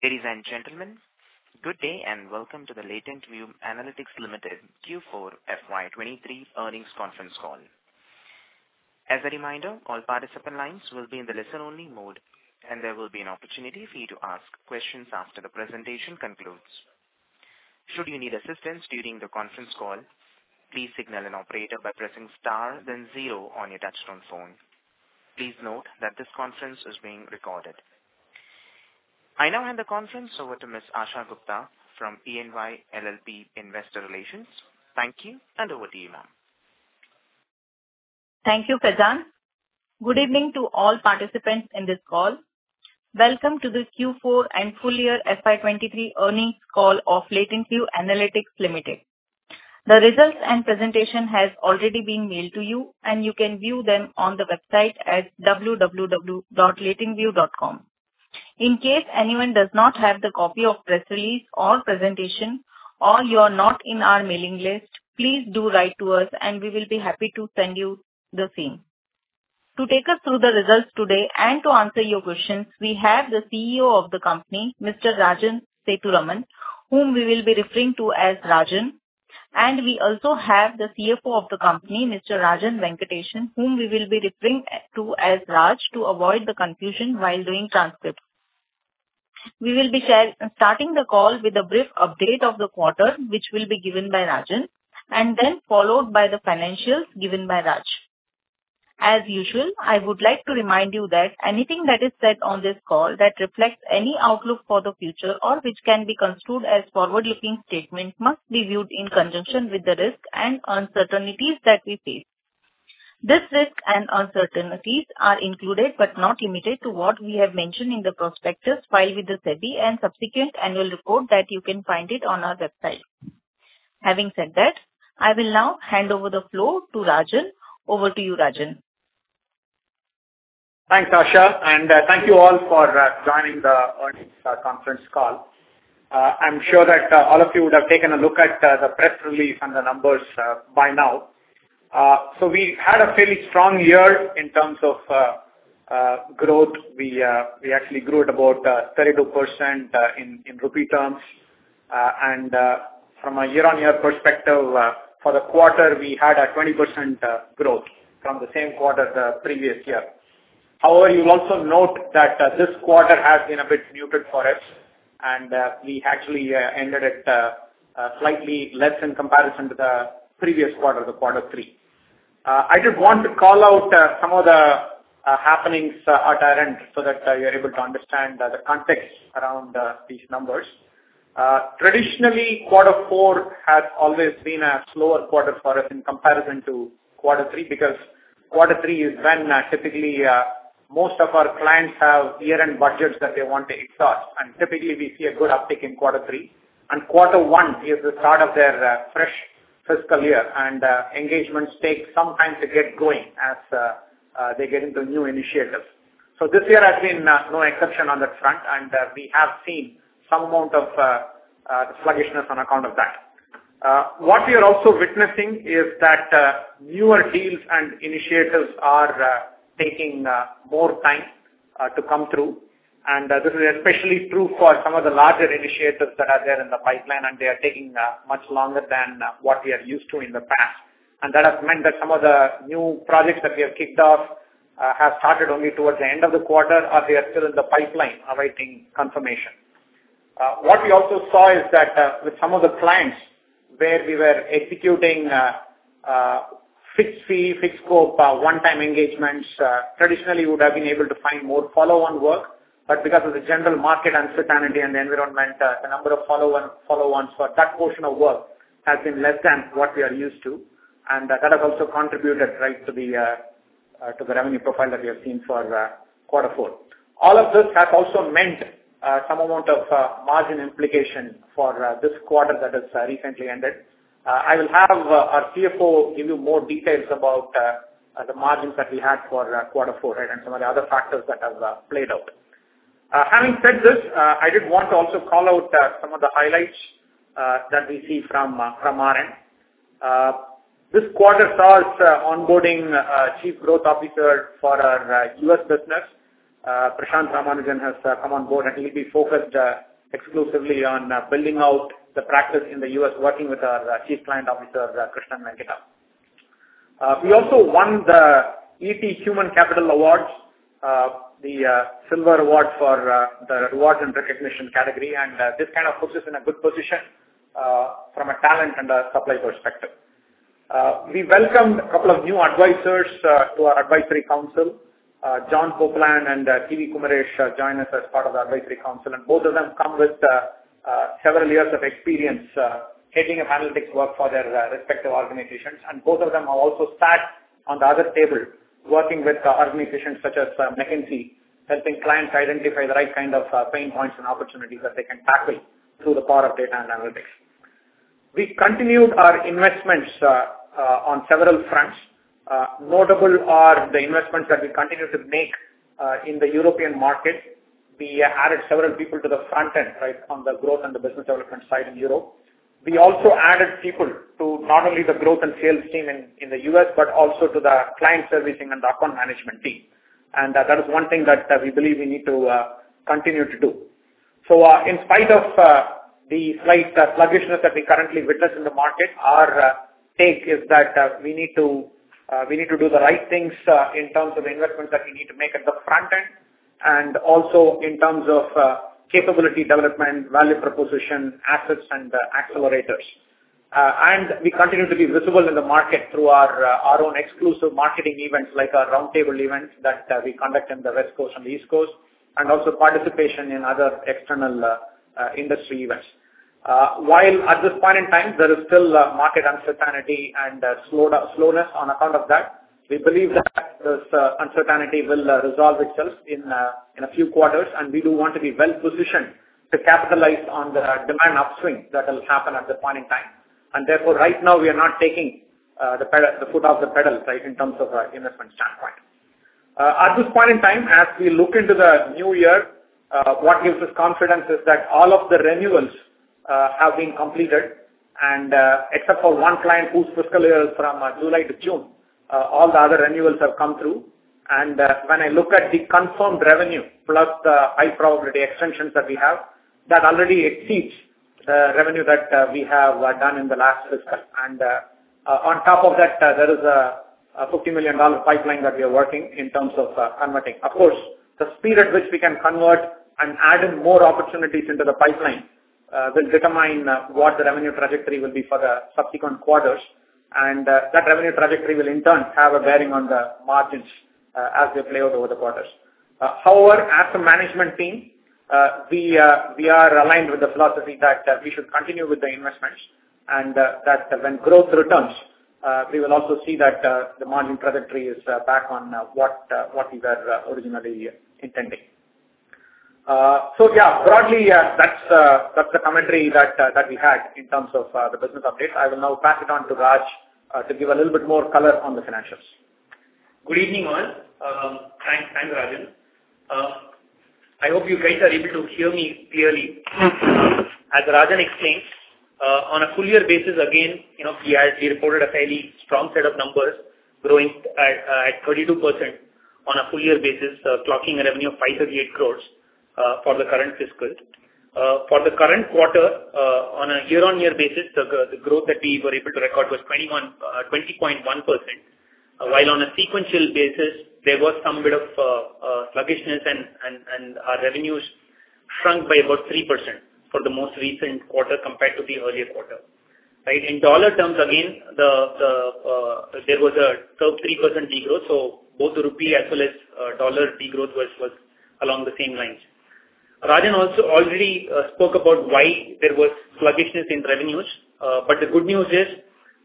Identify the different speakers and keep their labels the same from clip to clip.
Speaker 1: Ladies and gentlemen, good day and welcome to the LatentView Analytics Limited Q4 FY 2023 earnings conference call. As a reminder, all participant lines will be in the listen-only mode, and there will be an opportunity for you to ask questions after the presentation concludes. Should you need assistance during the conference call, please signal an operator by pressing star then 0 on your touchtone phone. Please note that this conference is being recorded. I now hand the conference over to Ms. Asha Gupta from E&Y LLP Investor Relations. Thank you. Over to you, ma'am.
Speaker 2: Thank you, Rajan. Good evening to all participants in this call. Welcome to the Q4 and full year FY 2023 earnings call of LatentView Analytics Limited. The results and presentation has already been mailed to you, and you can view them on the website at www.latentview.com. In case anyone does not have the copy of press release or presentation or you're not in our mailing list, please do write to us, and we will be happy to send you the same. To take us through the results today and to answer your questions, we have the CEO of the company, Mr. Rajan Sethuraman, whom we will be referring to as Rajan. We also have the CFO of the company, Mr. Rajan Venkatesan, whom we will be referring to as Raj to avoid the confusion while doing transcripts. We will be starting the call with a brief update of the quarter, which will be given by Rajan, followed by the financials given by Raj. As usual, I would like to remind you that anything that is said on this call that reflects any outlook for the future or which can be construed as forward-looking statements must be viewed in conjunction with the risk and uncertainties that we face. This risk and uncertainties are included, but not limited to what we have mentioned in the prospectus filed with the SEBI and subsequent annual report that you can find it on our website. Having said that, I will now hand over the floor to Rajan. Over to you, Rajan.
Speaker 3: Thanks, Asha. Thank you all for joining the earnings conference call. I'm sure that all of you would have taken a look at the press release and the numbers by now. We had a fairly strong year in terms of growth. We actually grew at about 32% in rupee terms. From a year-over-year perspective, for the quarter, we had a 20% growth from the same quarter the previous year. However, you'll also note that this quarter has been a bit muted for us and we actually ended at slightly less in comparison to the previous quarter three. I did want to call out some of the happenings at our end so that you're able to understand the context around these numbers. Traditionally, quarter four has always been a slower quarter for us in comparison to quarter three because quarter three is when typically most of our clients have year-end budgets that they want to exhaust. Typically we see a good uptick in quarter three. Quarter one is the start of their fresh fiscal year and engagements take some time to get going as they get into new initiatives. This year has been no exception on that front, and we have seen some amount of sluggishness on account of that. What we are also witnessing is that newer deals and initiatives are taking more time to come through. This is especially true for some of the larger initiatives that are there in the pipeline, and they are taking much longer than what we are used to in the past. That has meant that some of the new projects that we have kicked off have started only towards the end of the quarter or they are still in the pipeline awaiting confirmation. What we also saw is that with some of the clients where we were executing fixed fee, fixed scope, one-time engagements, traditionally we would have been able to find more follow-on work, but because of the general market uncertainty and the environment, the number of follow-ons for that portion of work has been less than what we are used to. That has also contributed right to the revenue profile that we have seen for quarter four. All of this has also meant some amount of margin implication for this quarter that has recently ended. I will have our CFO give you more details about the margins that we had for quarter four and some of the other factors that have played out. Having said this, I did want to also call out some of the highlights that we see from our end. This quarter saw us onboarding a Chief Growth Officer for our U.S. business. Prashant Ramanujan has come on board, and he'll be focused exclusively on building out the practice in the U.S., working with our Chief Client Officer, Krishnan Venkata. We also won the ET Human Capital Awards, the Silver Award for the awards and recognition category, and this kind of puts us in a good position from a talent and a supply perspective. We welcomed a couple of new advisors to our advisory council. John Copeland and TV Kumaresh joined us as part of the advisory council, and both of them come with several years of experience heading analytics work for their respective organizations. Both of them have also sat on the other table working with organizations such as McKinsey, helping clients identify the right kind of pain points and opportunities that they can tackle through the power of data and analytics. We continued our investments on several fronts. Notable are the investments that we continue to make in the European market. We added several people to the front end, right, on the growth and the business development side in Europe. We also added people to not only the growth and sales team in the U.S., but also to the client servicing and account management team. That is one thing that we believe we need to continue to do. In spite of the slight sluggishness that we currently witness in the market, our take is that we need to do the right things in terms of investments that we need to make at the front end, and also in terms of capability development, value proposition, assets and accelerators. We continue to be visible in the market through our own exclusive marketing events, like our roundtable events that we conduct in the West Coast and East Coast, and also participation in other external industry events. While at this point in time, there is still market uncertainty and slow-slowness on account of that, we believe that this uncertainty will resolve itself in a few quarters, and we do want to be well-positioned to capitalize on the demand upswing that will happen at this point in time. Therefore, right now we are not taking the foot off the pedal, right, in terms of investment standpoint. At this point in time, as we look into the new year, what gives us confidence is that all of the renewals have been completed, except for one client whose fiscal year is from July to June, all the other renewals have come through. When I look at the confirmed revenue plus the high probability extensions that we have, that already exceeds the revenue that we have done in the last fiscal. On top of that, there is a $50 million pipeline that we are working in terms of converting. Of course, the speed at which we can convert and add in more opportunities into the pipeline will determine what the revenue trajectory will be for the subsequent quarters. That revenue trajectory will in turn have a bearing on the margins as they play out over the quarters. As a management team, we are aligned with the philosophy that we should continue with the investments and that when growth returns, we will also see that the margin trajectory is back on what we were originally intending. Yeah, broadly, that's the commentary that we had in terms of the business update. I will now pass it on to Raj to give a little bit more color on the financials.
Speaker 4: Good evening, all. Thank you, Rajan. I hope you guys are able to hear me clearly. As Rajan explained, on a full-year basis, again, you know, we reported a fairly strong set of numbers growing at 32% on a full-year basis, clocking a revenue of 538 crores for the current fiscal. For the current quarter, on a year-on-year basis, the growth that we were able to record was 20.1%. While on a sequential basis, there was some bit of sluggishness and our revenues shrunk by about 3% for the most recent quarter compared to the earlier quarter. Right. In dollar terms, again, there was a sub 3% de-growth. Both rupee as well as dollar de-growth was along the same lines. Rajan also already spoke about why there was sluggishness in revenues. The good news is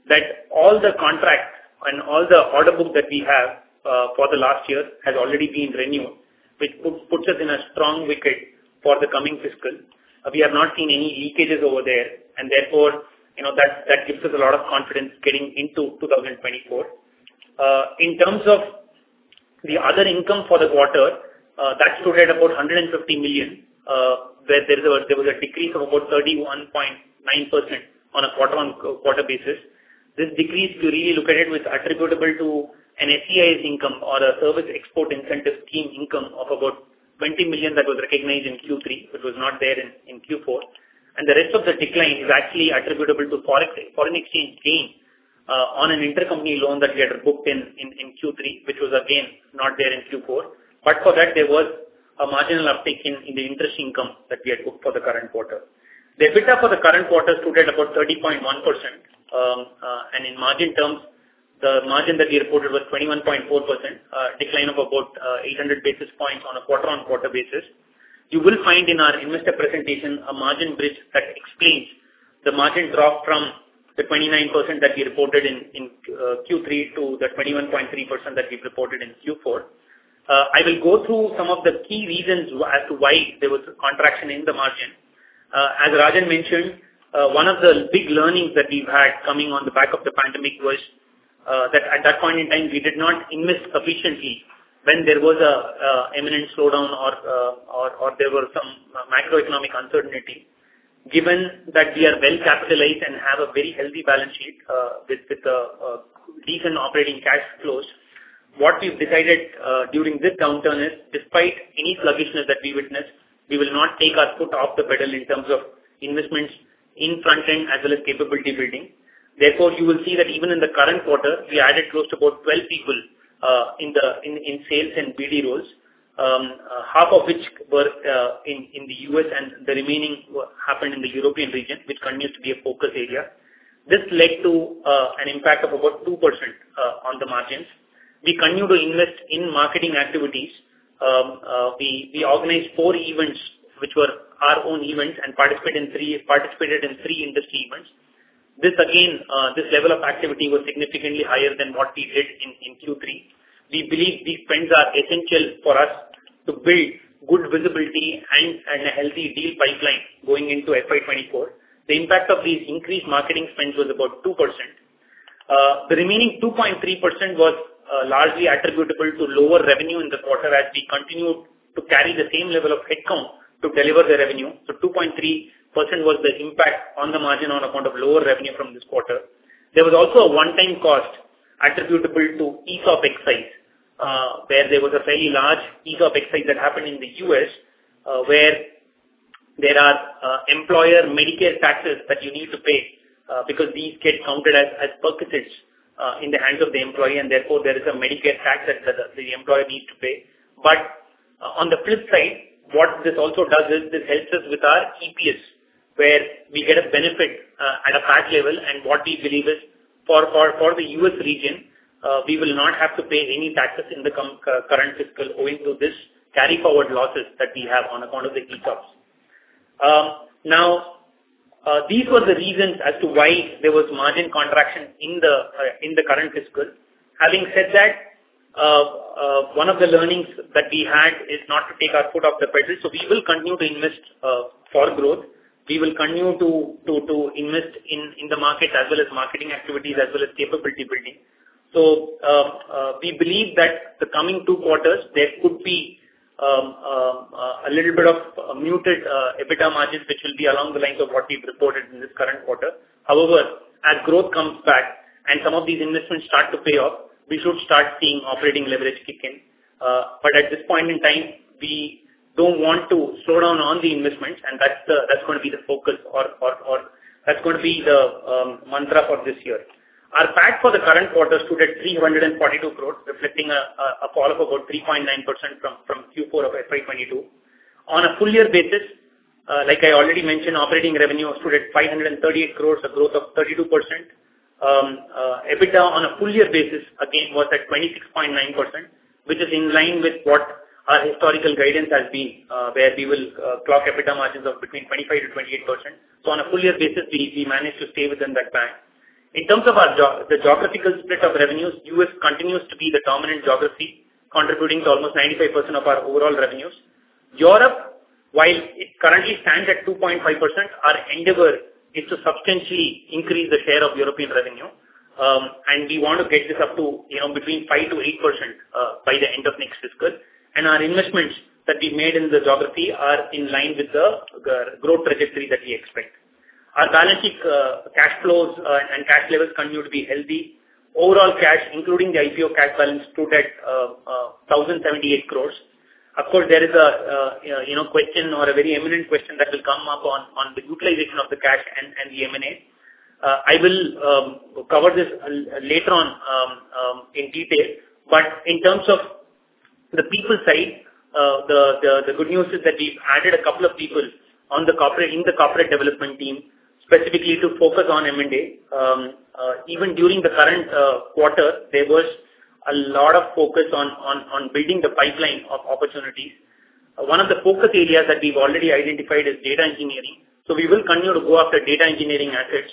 Speaker 4: that all the contracts and all the order book that we have for the last year has already been renewed, which puts us in a strong wicket for the coming fiscal. We have not seen any leakages over there, and therefore, you know, that gives us a lot of confidence getting into 2024. In terms of the other income for the quarter, that stood at about 150 million, where there was a decrease of about 31.9% on a quarter-on-quarter basis. This decrease, we really look at it, was attributable to an SEIS income or a Service Exports from India Scheme income of about 20 million that was recognized in Q3, which was not there in Q4. The rest of the decline is actually attributable to foreign exchange gain on an intercompany loan that we had booked in Q3, which was again not there in Q4. For that there was a marginal uptick in the interest income that we had booked for the current quarter. The EBITDA for the current quarter stood at about 30.1%. In margin terms, the margin that we reported was 21.4%, a decline of about 800 basis points on a quarter-on-quarter basis. You will find in our investor presentation a margin bridge that explains the margin drop from the 29% that we reported in Q3 to the 21.3% that we've reported in Q4. I will go through some of the key reasons as to why there was a contraction in the margin. As Rajan mentioned, one of the big learnings that we've had coming on the back of the pandemic was that at that point in time, we did not invest sufficiently when there was a imminent slowdown or there were some macroeconomic uncertainty. Given that we are well-capitalized and have a very healthy balance sheet, with, decent operating cash flows, what we've decided during this downturn is despite any sluggishness that we witness, we will not take our foot off the pedal in terms of investments in front end as well as capability building. You will see that even in the current quarter, we added close to about 12 people in sales and BD roles, half of which were in the U.S. and the remaining happened in the European region, which continues to be a focus area. This led to an impact of about 2% on the margins. We continue to invest in marketing activities. We organized four events which were our own events and participated in three industry events. This again, this level of activity was significantly higher than what we did in Q3. We believe these spends are essential for us to build good visibility and a healthy deal pipeline going into FY 2024. The impact of these increased marketing spends was about 2%. The remaining 2.3% was largely attributable to lower revenue in the quarter as we continued to carry the same level of headcount to deliver the revenue. 2.3% was the impact on the margin on account of lower revenue from this quarter. There was also a one-time cost attributable to ESOP excise, where there was a fairly large ESOP excise that happened in the U.S., where there are employer Medicare taxes that you need to pay, because these get counted as perquisites in the hands of the employee and therefore there is a Medicare tax that the employer needs to pay. On the flip side, what this also does is this helps us with our EPS, where we get a benefit at a patch level. What we believe is for the U.S. region, we will not have to pay any taxes in the current fiscal owing to this carry-forward losses that we have on account of the ESOPs. Now, these were the reasons as to why there was margin contraction in the current fiscal. Having said that, one of the learnings that we had is not to take our foot off the pedal. We will continue to invest for growth. We will continue to invest in the market as well as marketing activities as well as capability building. We believe that the coming two quarters, there could be a little bit of muted EBITDA margins, which will be along the lines of what we've reported in this current quarter. However, as growth comes back and some of these investments start to pay off, we should start seeing operating leverage kick in. At this point in time, we don't want to slow down on the investments, and that's gonna be the focus or that's gonna be the mantra for this year. Our PAT for the current quarter stood at 342 crores, reflecting a fall of about 3.9% from Q4 of FY 2022. On a full year basis, like I already mentioned, operating revenue stood at 538 crores, a growth of 32%. EBITDA on a full year basis again was at 26.9%, which is in line with what our historical guidance has been, where we will clock EBITDA margins of between 25%-28%. On a full year basis we managed to stay within that band. In terms of our geographical split of revenues, U.S. continues to be the dominant geography, contributing to almost 95% of our overall revenues. Europe, while it currently stands at 2.5%, our endeavor is to substantially increase the share of European revenue. We want to get this up to, you know, between 5%-8% by the end of next fiscal. Our investments that we made in the geography are in line with the growth trajectory that we expect. Our balancing cash flows and cash levels continued to be healthy. Overall cash, including the IPO cash balance, stood at 1,078 crores. Of course, there is a, you know, question or a very eminent question that will come up on the utilization of the cash and the M&A. I will cover this later on in detail. In terms of the people side, the good news is that we've added two people in the corporate development team specifically to focus on M&A. Even during the current quarter, there was a lot of focus on building the pipeline of opportunities. One of the focus areas that we've already identified is data engineering. We will continue to go after data engineering assets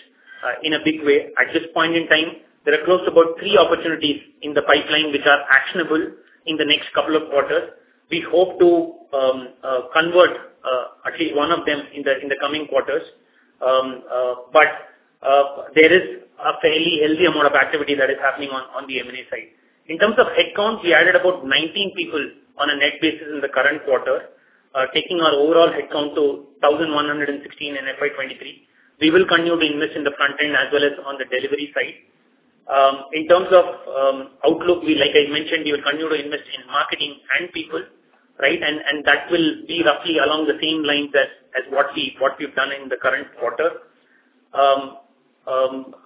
Speaker 4: in a big way. At this point in time, there are close to about three opportunities in the pipeline which are actionable in the next two quarters. We hope to convert at least one of them in the coming quarters. There is a fairly healthy amount of activity that is happening on the M&A side. In terms of headcount, we added about 19 people on a net basis in the current quarter, taking our overall headcount to 1,116 in FY 2023. We will continue to invest in the front end as well as on the delivery side. In terms of outlook, like I mentioned, we will continue to invest in marketing and people, right? That will be roughly along the same lines as what we've done in the current quarter.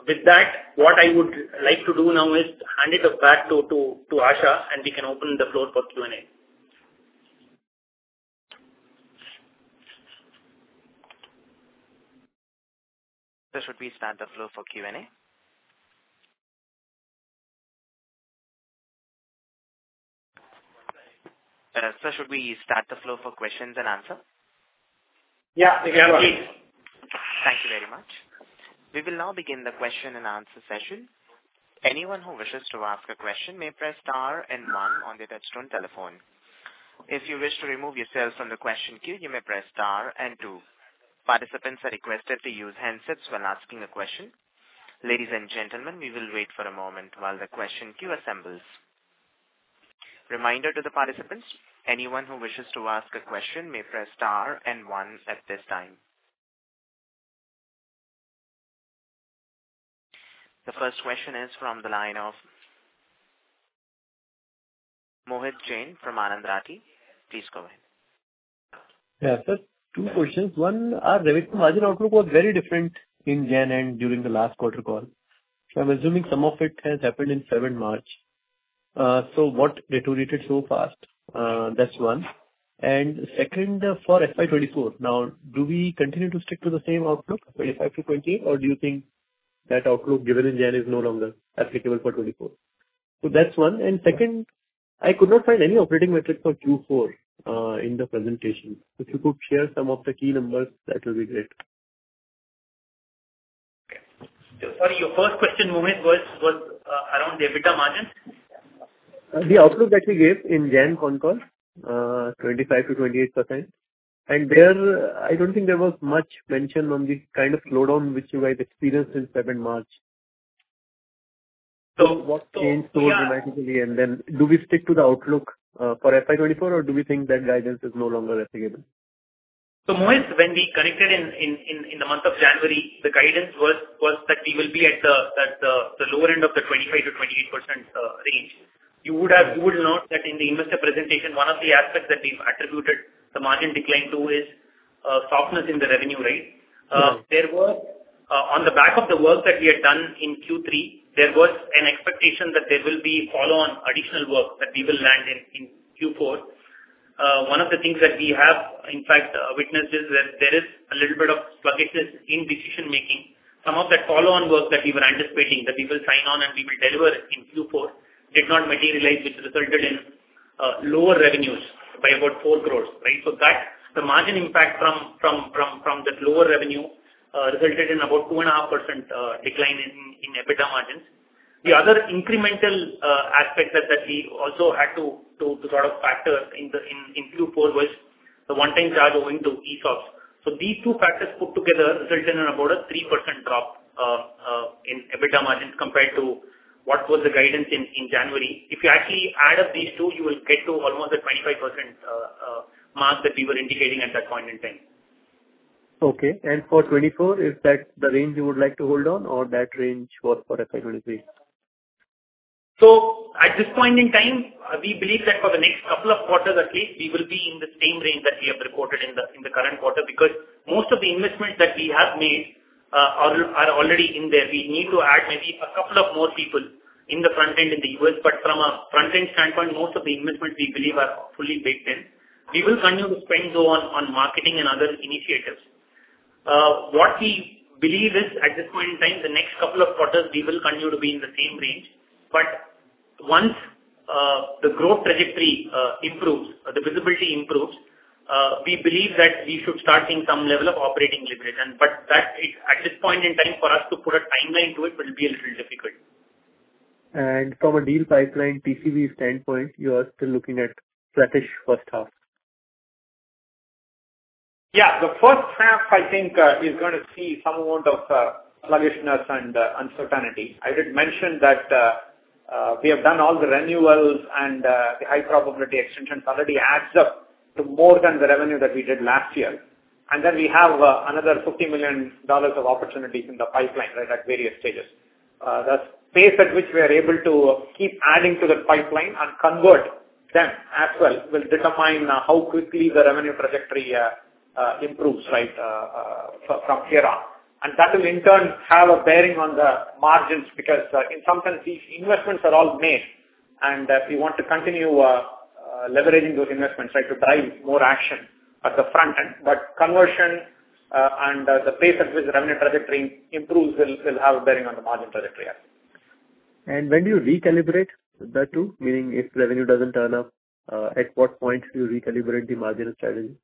Speaker 4: With that, what I would like to do now is hand it back to Asha, and we can open the floor for Q&A.
Speaker 1: Sir, should we start the floor for Q&A? Sir, should we start the floor for questions and answer?
Speaker 4: Yeah. You can go ahead.
Speaker 1: Please. Thank you very much. We will now begin the question-and-answer session. Anyone who wishes to ask a question may press star 1 on their touchtone telephone. If you wish to remove yourselves from the question queue, you may press star 2. Participants are requested to use handsets when asking a question. Ladies and gentlemen, we will wait for a moment while the question queue assembles. Reminder to the participants, anyone who wishes to ask a question may press star 1 at this time. The first question is from the line of Mohit Jain from Anand Rathi. Please go ahead.
Speaker 5: Yeah, sir. Two questions. One, our revenue margin outlook was very different in January and during the last quarter call. I'm assuming some of it has happened in 7 March. What deteriorated so fast? That's one. Second, for FY 2024, now do we continue to stick to the same outlook, 25%-28%, or do you think that outlook given in January is no longer applicable for 2024? That's one. Second, I could not find any operating metric for Q4 in the presentation. If you could share some of the key numbers, that will be great.
Speaker 4: For your first question, Mohit, was around the EBITDA margin?
Speaker 5: The outlook that we gave in January con call, 25%-28%. There I don't think there was much mention on the kind of slowdown which you guys experienced in 7th March. What changed so dramatically? Then do we stick to the outlook for FY 2024, or do we think that guidance is no longer applicable?
Speaker 3: Mohit, when we connected in the month of January, the guidance was that we will be at the lower end of the 25%-28% range. You would note that in the investor presentation, one of the aspects that we've attributed the margin decline to is softness in the revenue rate. There was on the back of the work that we had done in Q3, there was an expectation that there will be follow-on additional work that we will land in Q4. One of the things that we have in fact witnessed is that there is a little bit of sluggishness in decision-making. Some of that follow-on work that we were anticipating that we will sign on and we will deliver in Q4 did not materialize, which resulted in lower revenues by about 4 crores, right. The margin impact from that lower revenue resulted in about 2.5% decline in EBITDA margins. The other incremental aspect that we also had to sort of factor in Q4 was the one-time charge owing to ESOPs. These two factors put together resulted in about a 3% drop in EBITDA margins compared to what was the guidance in January. If you actually add up these two, you will get to almost a 25% mark that we were indicating at that point in time.
Speaker 5: Okay. For 2024, is that the range you would like to hold on or that range was for FY 2023?
Speaker 3: At this point in time, we believe that for the next couple of quarters at least, we will be in the same range that we have reported in the current quarter. Most of the investments that we have made, are already in there. We need to add maybe a couple of more people in the front end in the U.S., but from a front-end standpoint, most of the investments we believe are fully baked in. We will continue to spend though on marketing and other initiatives. What we believe is at this point in time, the next couple of quarters we will continue to be in the same range. Once the growth trajectory improves or the visibility improves, we believe that we should start seeing some level of operating leverage. That is at this point in time for us to put a timeline to it will be a little difficult.
Speaker 5: From a deal pipeline TCV standpoint, you are still looking at flattish first half?
Speaker 3: The first half I think, is gonna see some amount of sluggishness and uncertainty. I did mention that we have done all the renewals and the high probability extensions already adds up to more than the revenue that we did last year. We have another $50 million of opportunities in the pipeline, right, at various stages. The pace at which we are able to keep adding to that pipeline and convert them as well will determine how quickly the revenue trajectory improves, right, from here on. That will in turn have a bearing on the margins, because in some sense these investments are all made and we want to continue leveraging those investments, right, to drive more action at the front end. Conversion and the pace at which the revenue trajectory improves will have a bearing on the margin trajectory as well.
Speaker 5: When do you recalibrate the two? Meaning if revenue doesn't turn up, at what point do you recalibrate the margin strategy?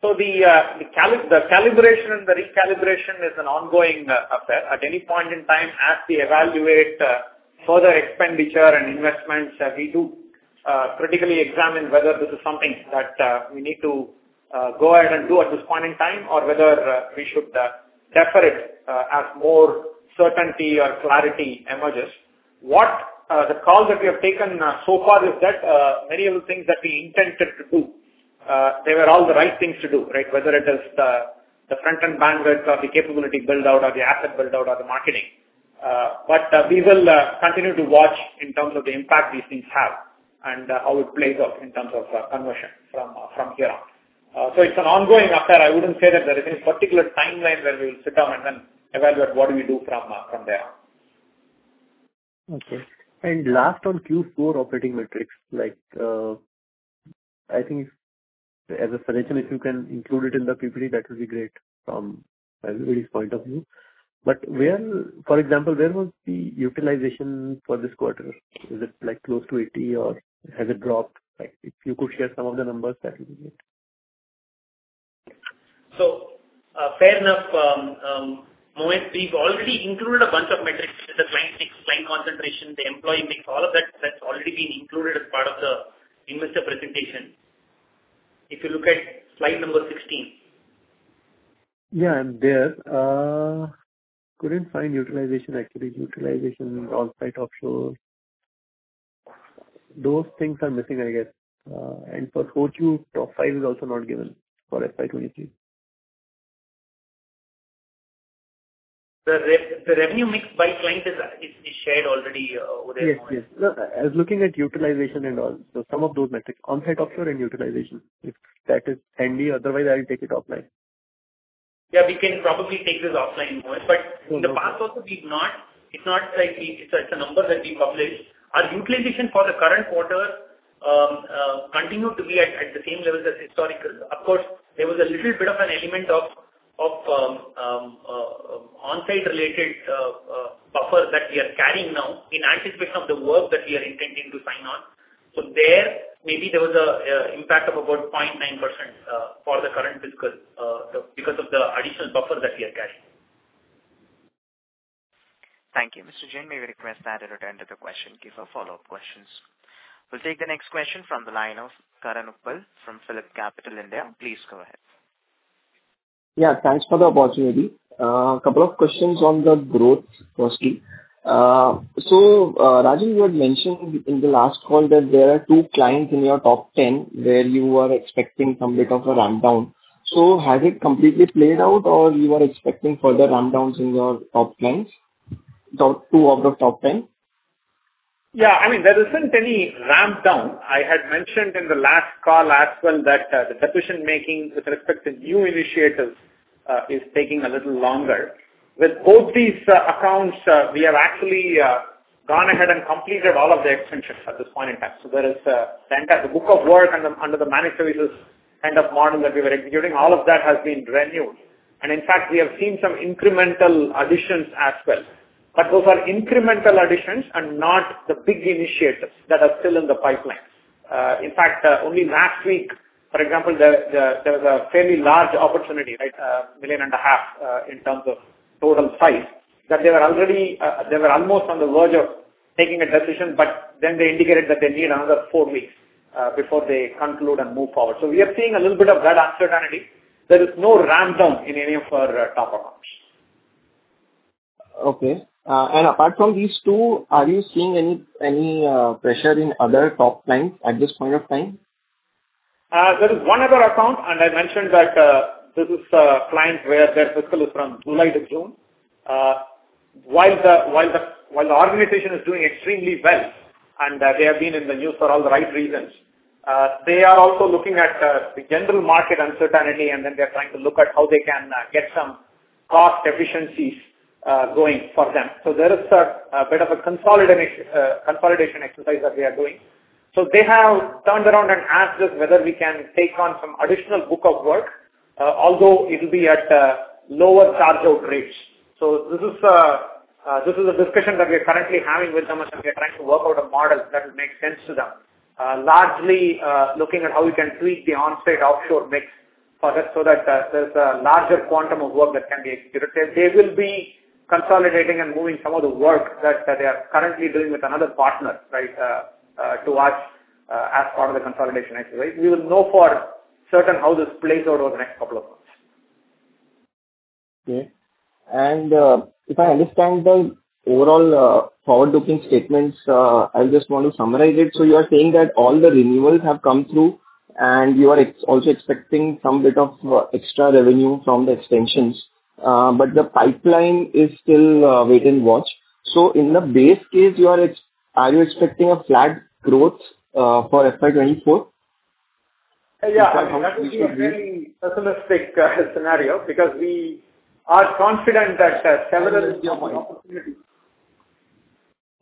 Speaker 3: The calibration and the recalibration is an ongoing affair. At any point in time as we evaluate, further expenditure and investments, we do critically examine whether this is something that we need to go ahead and do at this point in time or whether we should defer it as more certainty or clarity emerges. The call that we have taken so far is that many of the things that we intended to do, they were all the right things to do, right? Whether it is the front end bandwidth or the capability build out or the asset build out or the marketing. We will continue to watch in terms of the impact these things have and how it plays out in terms of conversion from here on. It's an ongoing affair. I wouldn't say that there is any particular timeline where we will sit down and then evaluate what do we do from there on.
Speaker 5: Okay. Last on Q4 operating metrics, like, I think as a solution, if you can include it in the Q3, that will be great from everybody's point of view. Where, for example, where was the utilization for this quarter? Is it like close to 80 or has it dropped? Like if you could share some of the numbers that would be great.
Speaker 3: Fair enough. Mohit Jain, we've already included a bunch of metrics. The client mix, client concentration, the employee mix, all of that's already been included as part of the investor presentation. If you look at slide number 16.
Speaker 5: Yeah. I'm there. couldn't find utilization actually. Utilization on-site, offshore. Those things are missing, I guess. For 4Q, top five is also not given for FY 2023.
Speaker 3: The revenue mix by client is shared already over there.
Speaker 5: Yes. Yes. No, I was looking at utilization and all. Some of those metrics. Onsite, offshore, and utilization. If that is handy. Otherwise I'll take it offline.
Speaker 3: Yeah, we can probably take this offline, Mohit. In the past also we've not. It's not like it's a number that we publish. Our utilization for the current quarter continued to be at the same levels as historical. Of course, there was a little bit of an element of onsite related buffer that we are carrying now in anticipation of the work that we are intending to sign on. There maybe there was a impact of about 0.9% for the current fiscal because of the additional buffer that we are carrying.
Speaker 1: Thank you. Mr. Jain. May we request that you attend to the question, give her follow-up questions. We'll take the next question from the line of Karan Uppal from Phillip Capital India. Please go ahead.
Speaker 6: Thanks for the opportunity. Couple of questions on the growth, firstly. Rajan, you had mentioned in the last call that there are two clients in your top 10 where you are expecting some bit of a ramp down. Has it completely played out or you are expecting further ramp downs in your top clients, the two of the top 10?
Speaker 3: Yeah. I mean, there isn't any ramp down. I had mentioned in the last call as well that the decision-making with respect to new initiatives is taking a little longer. With both these accounts, we have actually gone ahead and completed all of the extensions at this point in time. There is the book of work under the managed services kind of model that we were executing, all of that has been renewed. In fact, we have seen some incremental additions as well. Those are incremental additions and not the big initiatives that are still in the pipeline. Only last week, for example, there was a fairly large opportunity, right, million and a half, in terms of total size, that they were already, they were almost on the verge of taking a decision. They indicated that they need another four weeks before they conclude and move forward. We are seeing a little bit of that uncertainty. There is no ramp down in any of our top accounts.
Speaker 6: Okay. Apart from these two, are you seeing any pressure in other top clients at this point of time?
Speaker 3: There is one other account, and I mentioned that, this is a client where their fiscal is from July to June. While the organization is doing extremely well and, they have been in the news for all the right reasons, they are also looking at, the general market uncertainty and then they're trying to look at how they can, get some cost efficiencies, going for them. So there is a bit of a consolidation exercise that we are doing. So they have turned around and asked us whether we can take on some additional book of work, although it'll be at, lower charge-out rates. This is a discussion that we are currently having with them as we are trying to work out a model that will make sense to them. Largely, looking at how we can tweak the on-site offshore mix for this so that there's a larger quantum of work that can be executed. They will be consolidating and moving some of the work that they are currently doing with another partner, right, to us, as part of the consolidation exercise. We will know for certain how this plays out over the next couple of months.
Speaker 6: Okay. If I understand the overall forward-looking statements, I just want to summarize it. You are saying that all the renewals have come through and you are also expecting some bit of extra revenue from the extensions, but the pipeline is still wait and watch. In the base case, are you expecting a flat growth for FY 2024?
Speaker 3: Yeah. That would be a very pessimistic scenario because we are confident that several of the opportunities.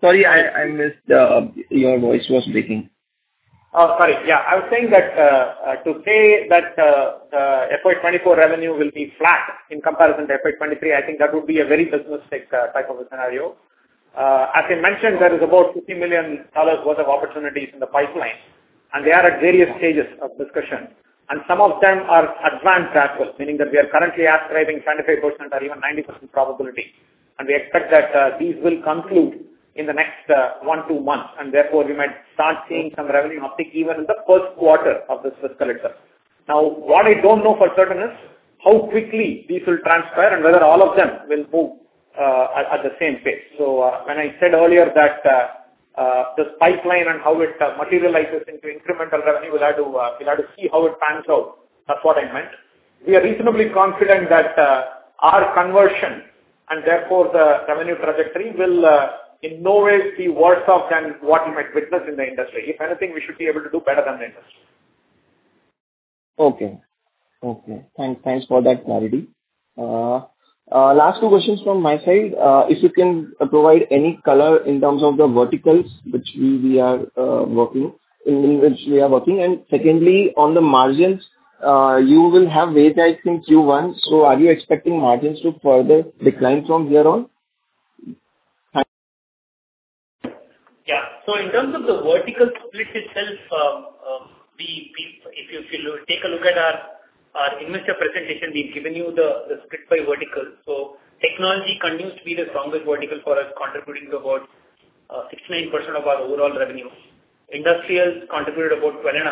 Speaker 6: Sorry, I missed. Your voice was breaking.
Speaker 3: I was saying that to say that the FY 2024 revenue will be flat in comparison to FY 2023, I think that would be a very pessimistic type of a scenario. As I mentioned, there is about $50 million worth of opportunities in the pipeline, and they are at various stages of discussion, and some of them are advanced as well, meaning that we are currently ascribing 25% or even 90% probability. We expect that these will conclude in the next one to months, and therefore we might start seeing some revenue uptick even in the first quarter of this fiscal itself. What I don't know for certain is how quickly these will transpire and whether all of them will move at the same pace. When I said earlier that this pipeline and how it materializes into incremental revenue, we'll have to see how it pans out. That's what I meant. We are reasonably confident that our conversion and therefore the revenue trajectory will in no way be worse off than what you might witness in the industry. If anything, we should be able to do better than the industry.
Speaker 6: Okay. Okay. Thanks, thanks for that clarity. Last two questions from my side. If you can provide any color in terms of the verticals which we are working, in which we are working? Secondly, on the margins, you will have wage hikes in Q1, are you expecting margins to further decline from here on?
Speaker 3: In terms of the vertical split itself, if you take a look at our investor presentation, we've given you the split by vertical. Technology continues to be the strongest vertical for us, contributing about 69% of our overall revenue. Industrials contributed about 12.5%.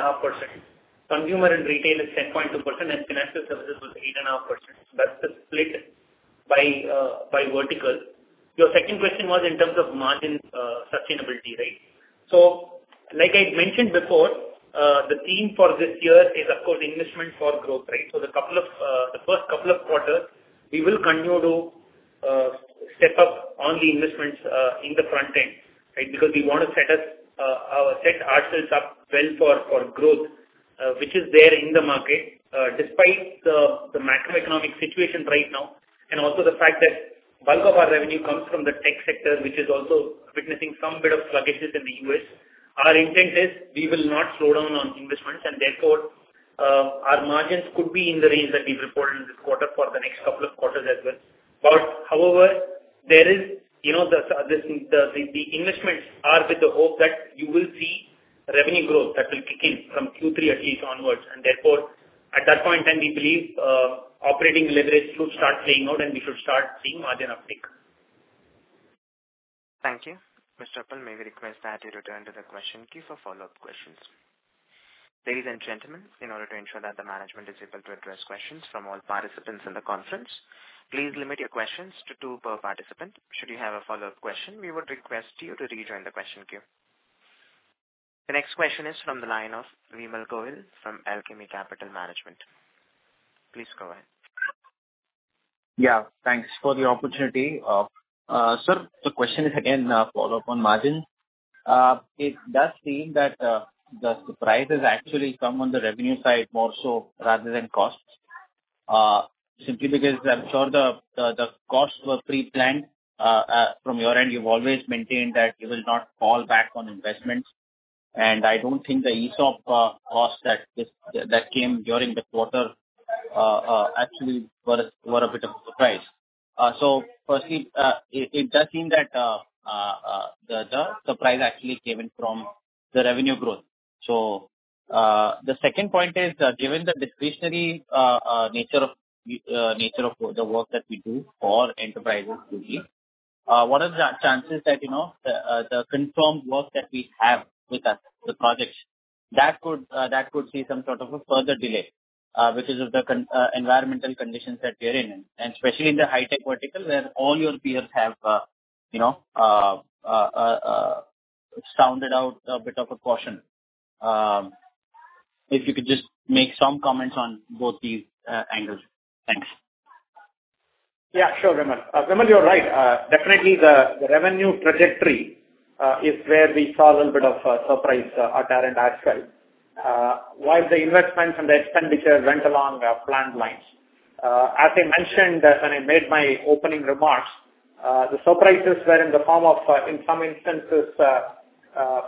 Speaker 3: Consumer and retail is 10.2%, and financial services was 8.5%. That's the split by vertical. Your second question was in terms of margin sustainability, right? Like I mentioned before, the theme for this year is of course investment for growth, right? The couple of the first couple of quarters, we will continue to step up on the investments in the front end, right? We want to set ourselves up well for growth, which is there in the market, despite the macroeconomic situation right now. Also the fact that bulk of our revenue comes from the tech sector, which is also witnessing some bit of sluggishness in the U.S. Our intent is we will not slow down on investments. Therefore, our margins could be in the range that we've reported this quarter for the next couple of quarters as well. However, there is, you know, the investments are with the hope that you will see-Revenue growth that will kick in from Q3 at least onwards. Therefore, at that point in time, we believe operating leverage should start playing out and we should start seeing margin uptick.
Speaker 1: Thank you. Mr. Uppal, may we request that you return to the question queue for follow-up questions. Ladies and gentlemen, in order to ensure that the management is able to address questions from all participants in the conference, please limit your questions to two per participant. Should you have a follow-up question, we would request you to rejoin the question queue. The next question is from the line of Vimal Gohil from Alchemy Capital Management. Please go ahead.
Speaker 7: Yeah, thanks for the opportunity. Sir, the question is again a follow-up on margin. It does seem that the surprises actually come on the revenue side more so rather than costs, simply because I'm sure the costs were pre-planned. From your end, you've always maintained that you will not fall back on investments, and I don't think the ESOP costs that came during the quarter actually were a bit of a surprise. Firstly, it does seem that the surprise actually came in from the revenue growth. The second point is, given the discretionary nature of the work that we do for enterprises to be, what are the chances that, you know, the confirmed work that we have with us, the projects, that could see some sort of a further delay because of the environmental conditions that we are in, and especially in the high-tech vertical where all your peers have, you know, sounded out a bit of a caution. If you could just make some comments on both these angles. Thanks.
Speaker 3: Sure, Vimal. Vimal, you're right. Definitely the revenue trajectory is where we saw a little bit of a surprise at our end as well, while the investments and the expenditure went along planned lines. As I mentioned, when I made my opening remarks, the surprises were in the form of in some instances,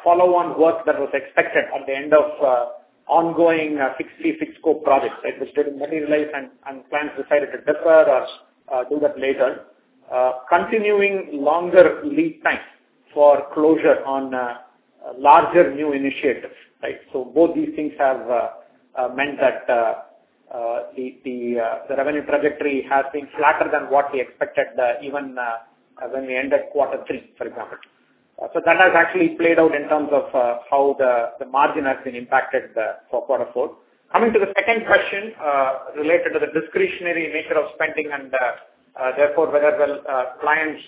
Speaker 3: follow-on work that was expected at the end of ongoing 66 scope projects, right. Which didn't materialize and clients decided to defer or do that later. Continuing longer lead times for closure on larger new initiatives, right. Both these things have meant that the revenue trajectory has been flatter than what we expected, even when we ended quarter three, for example. That has actually played out in terms of how the margin has been impacted for quarter four. Coming to the second question, related to the discretionary nature of spending and therefore, whether the clients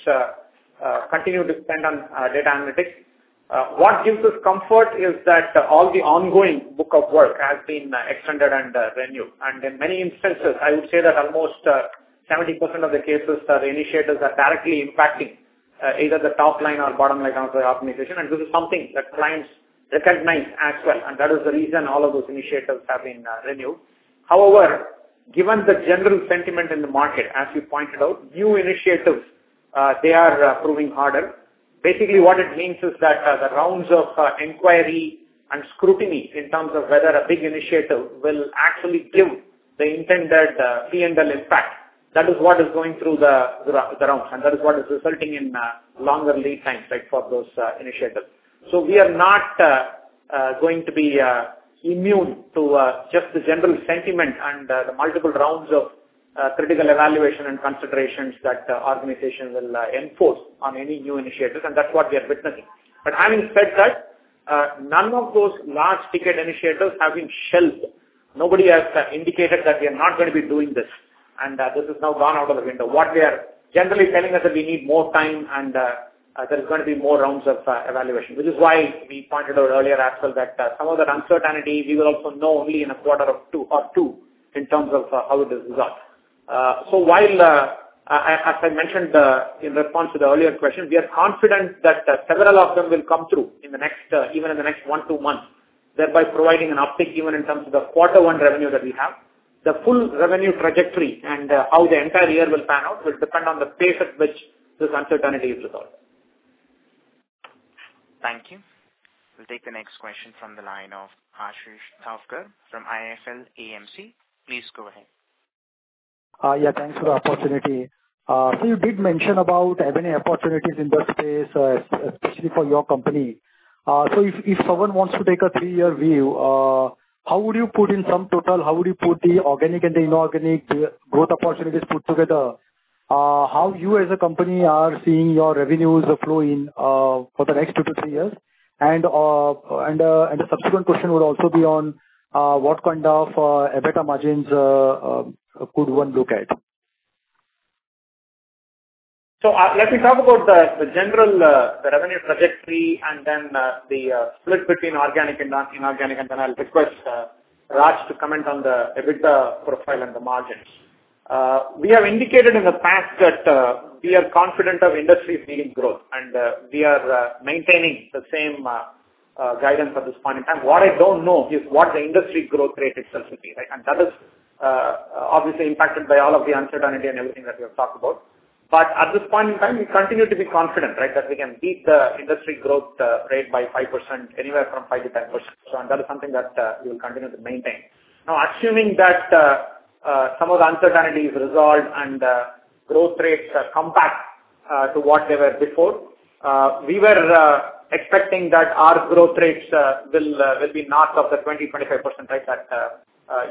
Speaker 3: continue to spend on data analytics. What gives us comfort is that all the ongoing book of work has been extended and renewed. In many instances, I would say that almost 70% of the cases, the initiatives are directly impacting either the top line or bottom line of the optimization, and this is something that clients recognize as well, and that is the reason all of those initiatives have been renewed. However, given the general sentiment in the market, as you pointed out, new initiatives, they are proving harder. Basically, what it means is that the rounds of inquiry and scrutiny in terms of whether a big initiative will actually give the intended P&L impact. That is what is going through the round, and that is what is resulting in longer lead times, right, for those initiatives. We are not going to be immune to just the general sentiment and the multiple rounds of critical evaluation and considerations that organizations will enforce on any new initiatives, and that's what we are witnessing. Having said that, none of those large-ticket initiatives have been shelved. Nobody has indicated that we are not gonna be doing this, and this has now gone out of the window. What we are generally telling us that we need more time and there's gonna be more rounds of evaluation. Which is why we pointed out earlier as well that some of that uncertainty we will also know only in a quarter of two or two in terms of how it is resolved. While, as I mentioned, in response to the earlier question, we are confident that several of them will come through in the next, even in the next one to two months, thereby providing an uptick even in terms of the quarter one revenue that we have. The full revenue trajectory and how the entire year will pan out will depend on the pace at which this uncertainty is resolved.
Speaker 1: Thank you. We'll take the next question from the line of Ashish Thakkar from IIFL AMC. Please go ahead.
Speaker 8: Yeah, thanks for the opportunity. You did mention about M&A opportunities in that space, especially for your company. If, if someone wants to take a three-year view, how would you put in some total? How would you put the organic and the inorganic growth opportunities put together? How you as a company are seeing your revenues flow in for the next two to three years? The subsequent question would also be on what kind of EBITDA margins could one look at?
Speaker 3: Let me talk about the general, the revenue trajectory and then, the split between organic and non-inorganic, and then I'll request Raj to comment on the EBITDA profile and the margins. We have indicated in the past that, we are confident of industry leading growth and, we are maintaining the same, guidance at this point in time. What I don't know is what the industry growth rate itself will be, right? That is, obviously impacted by all of the uncertainty and everything that we have talked about. But at this point in time, we continue to be confident, right, that we can beat the industry growth, rate by 5%, anywhere from 5%-10%. And that is something that, we will continue to maintain. Now, assuming that some of the uncertainty is resolved and growth rates are compact to what they were before. We were expecting that our growth rates will be north of the 20%-25%, right? That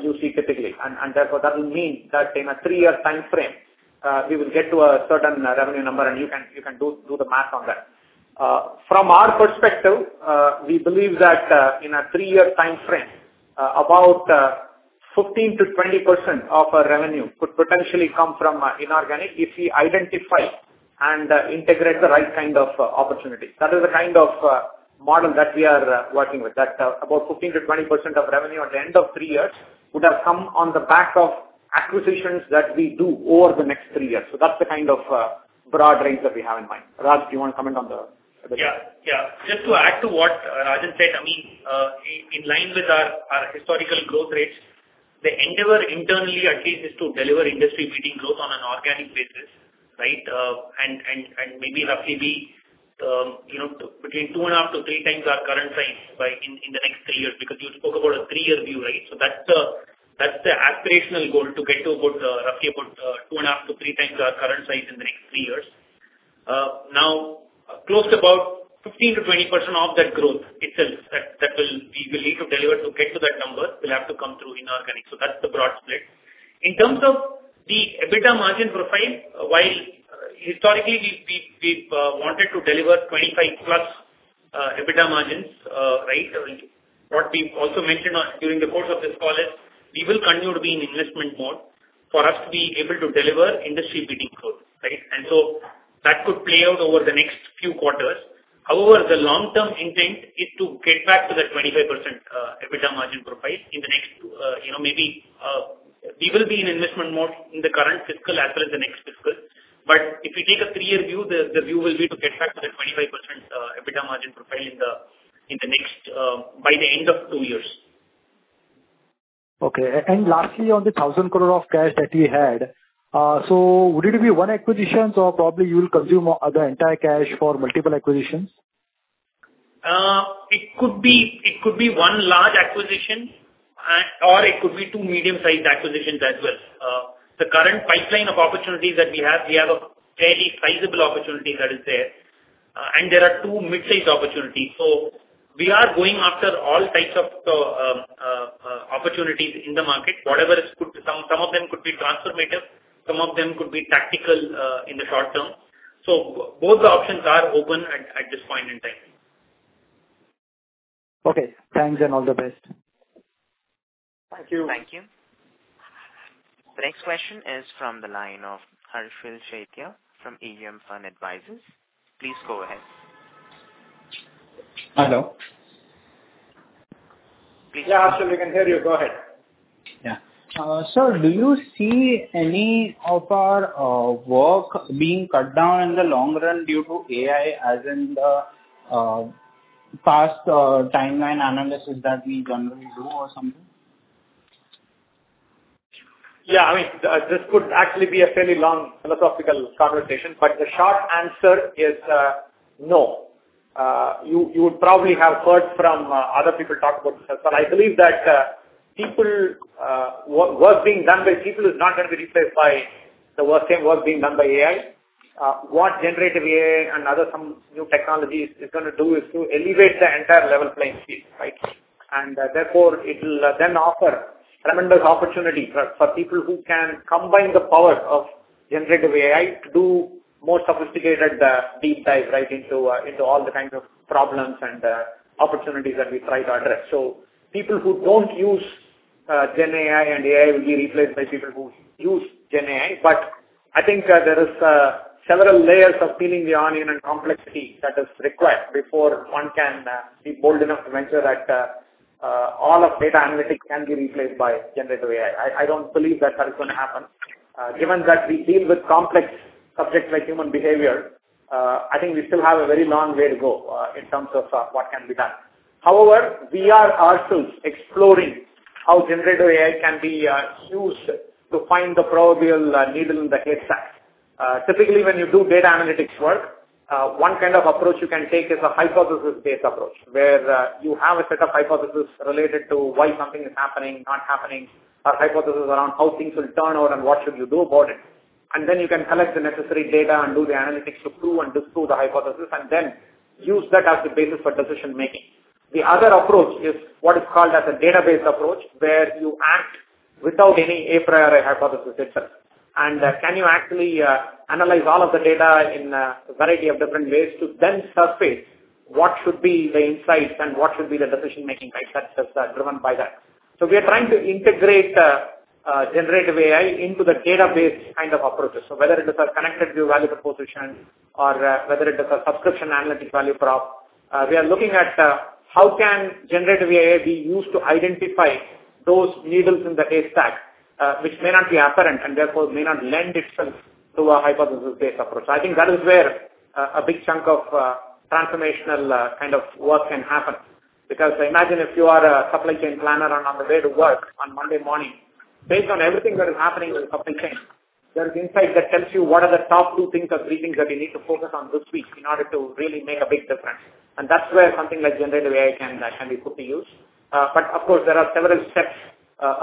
Speaker 3: you see typically. Therefore, that will mean that in a three-year timeframe, we will get to a certain revenue number, and you can do the math on that. From our perspective, we believe that in a three-year timeframe, about 15%-20% of our revenue could potentially come from inorganic if we identify and integrate the right kind of opportunity. That is the kind of model that we are working with. That about 15%-20% of revenue at the end of three years would have come on the back of acquisitions that we do over the next three years. That's the kind of broad range that we have in mind. Raj, do you wanna comment?
Speaker 4: Yeah. Yeah. Just to add to what Rajan said, I mean, in line with our historical growth rates, the endeavor internally, at least, is to deliver industry-leading growth on an organic basis, right? And maybe roughly be, you know, between 2.5x-3x our current size in the next three years, because you spoke about a three-year view, right? That's the aspirational goal to get to about, roughly about 2.5x-3x our current size in the next three years. Close to about 15%-20% of that growth itself that we will need to deliver to get to that number, will have to come through inorganic. That's the broad split. In terms of the EBITDA margin profile, while historically we've wanted to deliver 25%+ EBITDA margins, right? What we also mentioned during the course of this call is we will continue to be in investment mode for us to be able to deliver industry-leading growth, right? That could play out over the next few quarters. However, the long-term intent is to get back to that 25% EBITDA margin profile in the next, you know, maybe, we will be in investment mode in the current fiscal as well as the next fiscal. If you take a three-year view, the view will be to get back to the 25% EBITDA margin profile in the next by the end of two years.
Speaker 8: Okay. Lastly, on the 1,000 crore of cash that you had, would it be one acquisition or probably you'll consume the entire cash for multiple acquisitions?
Speaker 4: It could be one large acquisition, or it could be two medium-sized acquisitions as well. The current pipeline of opportunities that we have, we have a fairly sizable opportunity that is there, and there are two mid-sized opportunities. We are going after all types of opportunities in the market. Whatever is good. Some of them could be transformative, some of them could be tactical in the short term. Both the options are open at this point in time.
Speaker 8: Okay. Thanks and all the best.
Speaker 3: Thank you.
Speaker 1: Thank you. The next question is from the line of Harshal Shetye from EDM Fund Advisors. Please go ahead.
Speaker 9: Hello.
Speaker 3: Yeah, Harshal, we can hear you. Go ahead.
Speaker 9: Yeah. Sir, do you see any of our work being cut down in the long run due to AI, as in the past timeline analysis that we generally do or something?
Speaker 3: Yeah. I mean, this could actually be a fairly long philosophical conversation, but the short answer is, no. You would probably have heard from other people talk about this as well. I believe that people work being done by people is not gonna be replaced by the work, same work being done by AI. What generative AI and other some new technologies is gonna do is to elevate the entire level playing field, right? Therefore, it'll then offer tremendous opportunity for people who can combine the power of generative AI to do more sophisticated deep dive right into all the kinds of problems and opportunities that we try to address. People who don't use Gen AI and AI will be replaced by people who use Gen AI. I think there's several layers of peeling the onion and complexity that is required before one can, uh, be bold enough to venture that, uh, all of data analytics can be replaced by generative AI. I don't believe that that is gonna happen. Uh, given that we deal with complex subjects like human behavior, uh, I think we still have a very long way to go, uh, in terms of, uh, what can be done. However, we are also exploring how generative AI can be, uh, used to find the proverbial needle in the haystack. Typically, when you do data analytics work, one kind of approach you can take is a hypothesis-based approach, where you have a set of hypothesis related to why something is happening, not happening, or hypothesis around how things will turn out and what should you do about it. Then you can collect the necessary data and do the analytics to prove and disprove the hypothesis, and then use that as the basis for decision-making. The other approach is what is called as a database approach, where you act without any a priori hypothesis itself. Can you actually analyze all of the data in a variety of different ways to then surface what should be the insights and what should be the decision-making, right? That's, that's driven by that. We are trying to integrate Generative AI into the database kind of approaches. Whether it is a ConnectedView value proposition or whether it is a subscription analytic value prop, we are looking at how can Generative AI be used to identify those needles in the haystack which may not be apparent and therefore may not lend itself to a hypothesis-based approach. I think that is where a big chunk of transformational kind of work can happen. Imagine if you are a supply chain planner and on the way to work on Monday morning, based on everything that is happening in supply chain, there is insight that tells you what are the top two things or three things that we need to focus on this week in order to really make a big difference. That's where something like generative AI can be put to use. Of course, there are several steps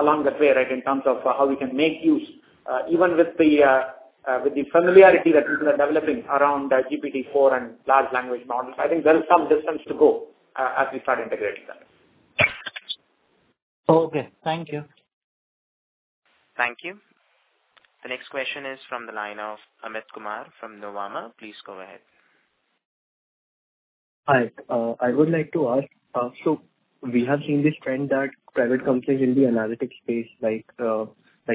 Speaker 3: along that way, right, in terms of how we can make use even with the familiarity that people are developing around GPT-4 and large language models. I think there is some distance to go as we start integrating them.
Speaker 9: Okay. Thank you.
Speaker 1: Thank you. The next question is from the line of Amit Kumar from Nuvama. Please go ahead.
Speaker 10: Hi. I would like to ask, we have seen this trend that private companies in the analytics space like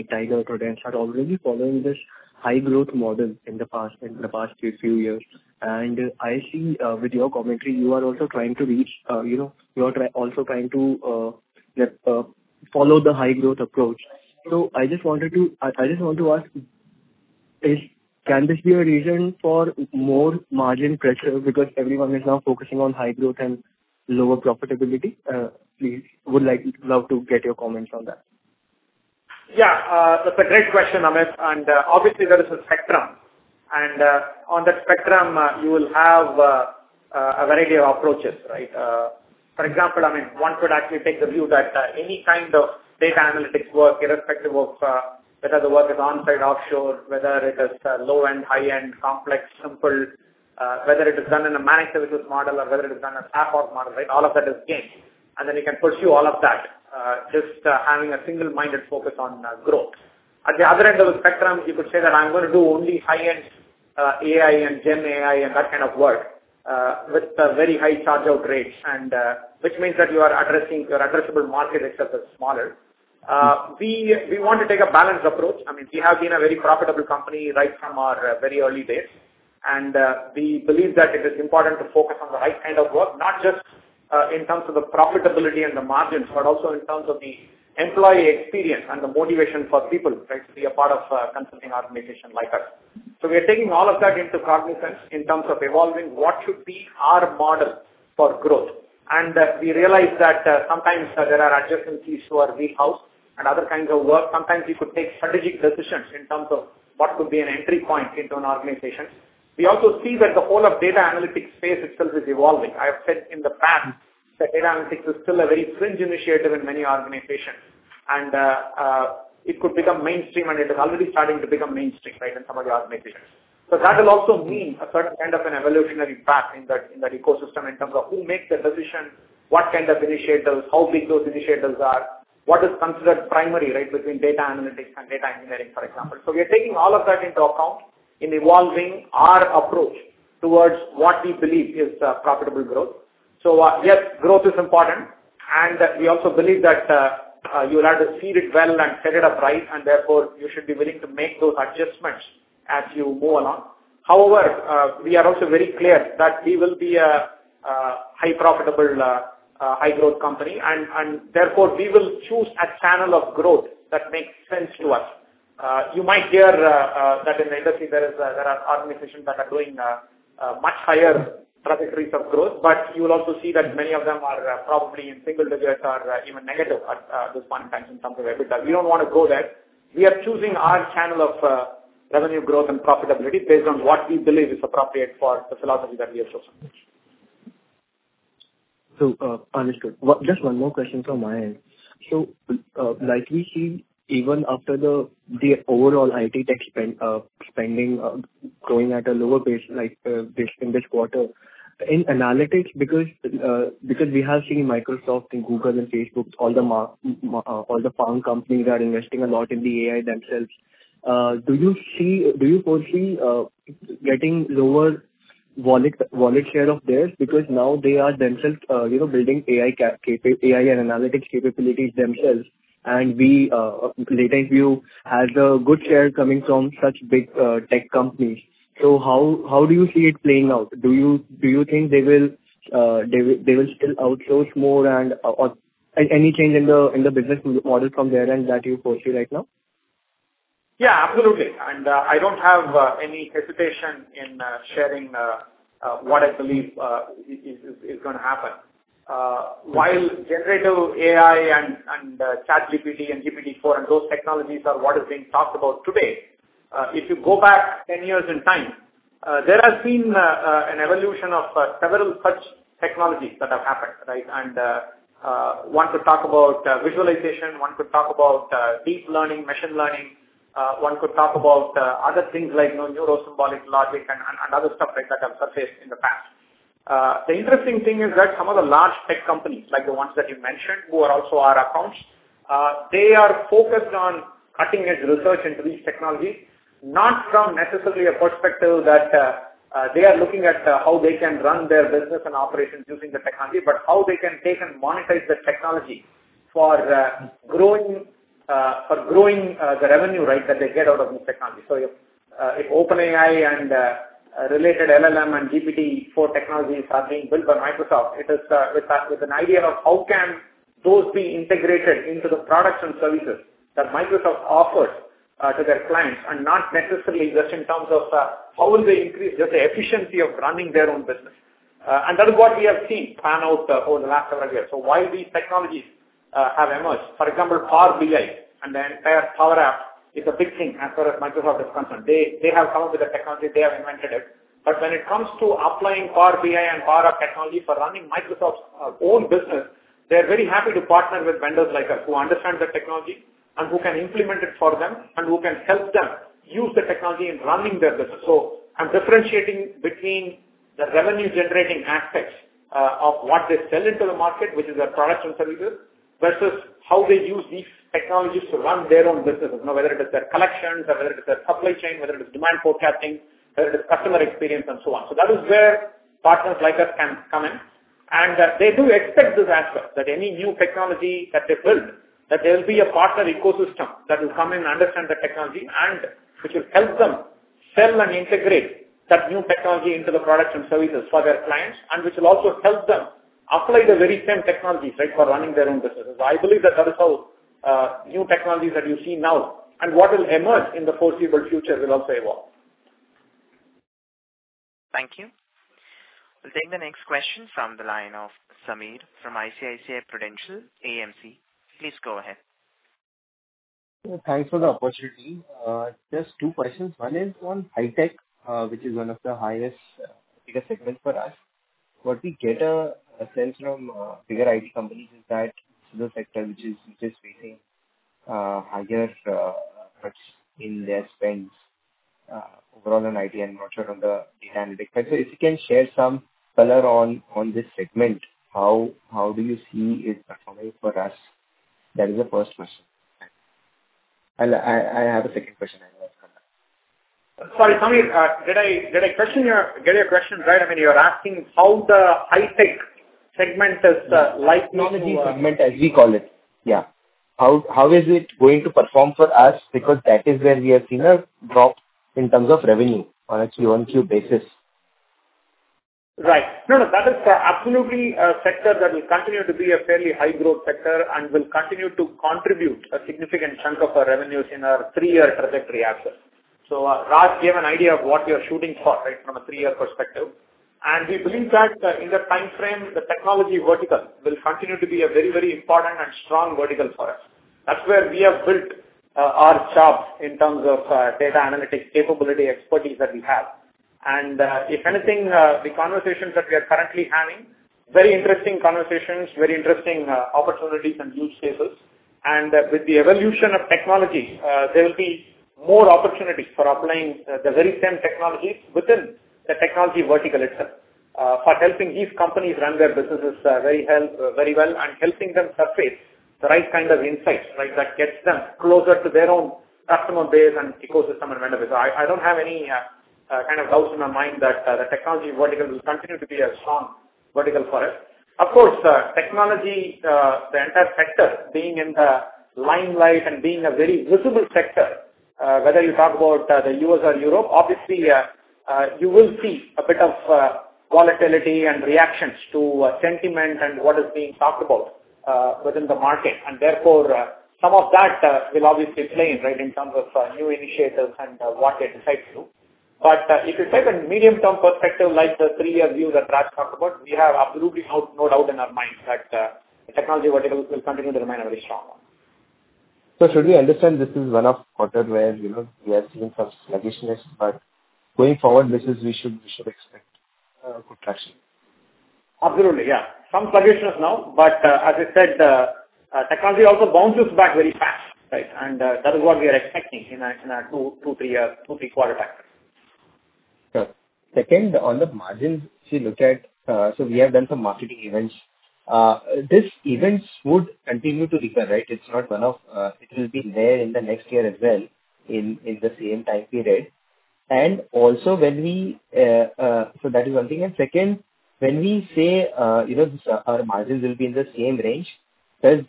Speaker 10: Tiger or Credence are already following this high growth model in the past few years. I see with your commentary, you are also trying to reach, you know, also trying to let follow the high growth approach. I just want to ask, is, can this be a reason for more margin pressure because everyone is now focusing on high growth and lower profitability? Please, love to get your comments on that.
Speaker 3: Yeah. That's a great question, Amit. Obviously there is a spectrum, and on that spectrum, you will have a variety of approaches, right? For example, I mean, one could actually take the view that any kind of data analytics work, irrespective of whether the work is on-site, offshore, whether it is low-end, high-end, complex, simple, whether it is done in a managed service model or whether it is done in a platform model, right? All of that is game. Then you can pursue all of that, just having a single-minded focus on growth. At the other end of the spectrum, you could say that I'm gonna do only high-end, AI and GenAI and that kind of work, with a very high charge-out rates and, which means that your addressable market itself is smaller. We want to take a balanced approach. I mean, we have been a very profitable company right from our very early days. We believe that it is important to focus on the right kind of work, not just, in terms of the profitability and the margins, but also in terms of the employee experience and the motivation for people, right, to be a part of a consulting organization like us. We are taking all of that into cognizance in terms of evolving what should be our model for growth. We realize that sometimes there are adjacencies who are wheelhouse and other kinds of work. Sometimes you could take strategic decisions in terms of what could be an entry point into an organization. We also see that the whole of data analytics space itself is evolving. I have said in the past that data analytics is still a very fringe initiative in many organizations, it could become mainstream, and it is already starting to become mainstream, right, in some of the organizations. That will also mean a certain kind of an evolutionary path in that, in that ecosystem in terms of who makes the decision, what kind of initiators, how big those initiators are, what is considered primary, right, between data analytics and data engineering, for example. We are taking all of that into account in evolving our approach towards what we believe is profitable growth. Yes, growth is important, and we also believe that you will have to seed it well and set it up right, and therefore you should be willing to make those adjustments as you move along. However, we are also very clear that we will be a high profitable, high growth company, and therefore we will choose a channel of growth that makes sense to us. You might hear that in the industry there is there are organizations that are growing much higher trajectories of growth, but you will also see that many of them are probably in single digits or even negative at this point in time in terms of EBITDA. We don't wanna go there. We are choosing our channel of revenue growth and profitability based on what we believe is appropriate for the philosophy that we have so far.
Speaker 10: Understood. Just one more question from my end. Like we see even after the overall IT tech spend spending growing at a lower pace like based in this quarter. In analytics because we have seen Microsoft and Google and Facebook, all the FAANG companies are investing a lot in the AI themselves. Do you foresee getting lower wallet share of theirs because now they are themselves, you know, building AI and analytics capabilities themselves and we LatentView has a good share coming from such big tech companies. How do you see it playing out? Do you think they will still outsource more and or any change in the business model from their end that you foresee right now?
Speaker 3: Yeah, absolutely. I don't have any hesitation in sharing what I believe is gonna happen. While generative AI and ChatGPT and GPT-4 and those technologies are what is being talked about today, if you go back 10 years in time, there has been an evolution of several such technologies that have happened, right? One could talk about visualization, one could talk about deep learning, machine learning, one could talk about other things like, you know, neuro-symbolic logic and other stuff like that have surfaced in the past. The interesting thing is that some of the large tech companies, like the ones that you mentioned, who are also our accounts, they are focused on cutting-edge research into these technologies, not from necessarily a perspective that they are looking at how they can run their business and operations using the technology, but how they can take and monetize the technology for growing the revenue, right, that they get out of this technology. If OpenAI and related LLM and GPT-4 technologies are being built by Microsoft, it is with a, with an idea of how can those be integrated into the products and services that Microsoft offers to their clients and not necessarily just in terms of how will they increase just the efficiency of running their own business. That is what we have seen pan out over the last several years. While these technologies have emerged, for example, Power BI and the entire Power Apps, it's a big thing as far as Microsoft is concerned. They have come with the technology. They have invented it. When it comes to applying Power BI and Power technology for running Microsoft's own business, they're very happy to partner with vendors like us who understand the technology and who can implement it for them and who can help them use the technology in running their business. I'm differentiating between the revenue-generating aspects of what they sell into the market, which is their products and services, versus how they use these technologies to run their own businesses. Whether it is their collections or whether it is their supply chain, whether it is demand forecasting, whether it is customer experience, and so on. That is where partners like us can come in, and they do expect this aspect, that any new technology that they build, that there will be a partner ecosystem that will come in and understand the technology and which will help them sell and integrate that new technology into the products and services for their clients. Which will also help them apply the very same technologies, right, for running their own businesses. I believe that that is how new technologies that you see now and what will emerge in the foreseeable future will also evolve.
Speaker 1: Thank you. We'll take the next question from the line of Sameer from ICICI Prudential AMC. Please go ahead.
Speaker 11: Thanks for the opportunity. Just two questions. One is on high-tech, which is one of the highest, bigger segments for us. What we get a sense from bigger IT companies is that this is a sector which is facing higher cuts in their spends overall in IT and not sure on the data analytics. If you can share some color on this segment, how do you see it performing for us? That is the first question. I have a second question.
Speaker 3: Sorry, Sameer, did I get your question right? I mean, you're asking how the high-tech segment is like?
Speaker 11: Technology segment as we call it. Yeah. How is it going to perform for us? That is where we have seen a drop in terms of revenue on a Q-on-Q basis.
Speaker 3: Right. No, no, that is absolutely a sector that will continue to be a fairly high-growth sector and will continue to contribute a significant chunk of our revenues in our three-year trajectory as well. Raj gave an idea of what we are shooting for, right, from a three-year perspective. We believe that in that timeframe, the technology vertical will continue to be a very, very important and strong vertical for us. That's where we have built our chops in terms of data analytics capability expertise that we have. If anything, the conversations that we are currently having, very interesting conversations, very interesting opportunities and use cases. With the evolution of technology, there will be more opportunities for applying the very same technologies within the technology vertical itself, for helping these companies run their businesses very well and helping them surface the right kind of insights, right, that gets them closer to their own customer base and ecosystem and vendor base. I don't have any kind of doubts in my mind that the technology vertical will continue to be a strong vertical for us. Of course, technology, the entire sector being in the limelight and being a very visible sector, whether you talk about the U.S. or Europe, obviously, you will see a bit of volatility and reactions to sentiment and what is being talked about within the market Therefore, some of that will obviously play in, right, in terms of new initiatives and what they decide to do. If you take a medium-term perspective like the three-year view that Raj talked about, we have absolutely no doubt in our mind that the technology vertical will continue to remain a very strong one.
Speaker 11: Should we understand this is one of quarter where, you know, we are seeing some sluggishness, but going forward we should expect good traction?
Speaker 3: Absolutely, yeah. Some sluggishness now, but as I said, technology also bounces back very fast, right? That is what we are expecting in a two, three-year, two, three quarter time.
Speaker 11: Sure. Second, on the margins, if you look at, so we have done some marketing events. This events would continue to recur, right? It's not one-off. It will be there in the next year as well in the same time period. That is one thing. Second, when we say our margins will be in the same range, our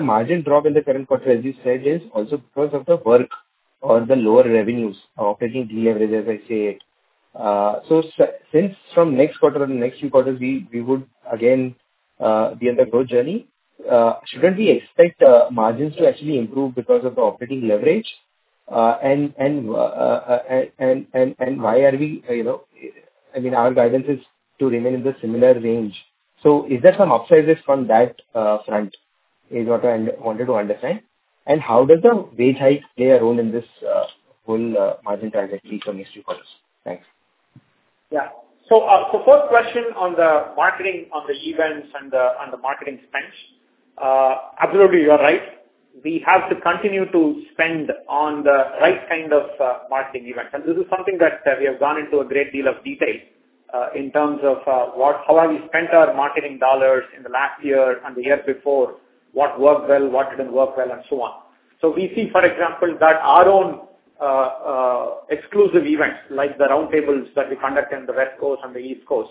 Speaker 11: margin drop in the current quarter, as you said, is also because of the work or the lower revenues, operating deleverage, as I say it. Since from next quarter or the next few quarters we would again be on the growth journey, shouldn't we expect margins to actually improve because of the operating leverage? Why are we, our guidance is to remain in the similar range. Is there some upsides from that front? Is what I wanted to understand. How does the wage hike play a role in this whole margin trajectory from these two quarters? Thanks.
Speaker 3: First question on the marketing, on the events and the marketing spends. Absolutely, you are right. We have to continue to spend on the right kind of marketing events. This is something that we have gone into a great deal of detail in terms of how have we spent our marketing dollars in the last year and the year before? What worked well? What didn't work well, and so on. We see, for example, that our own exclusive events, like the roundtables that we conduct in the West Coast and the East Coast,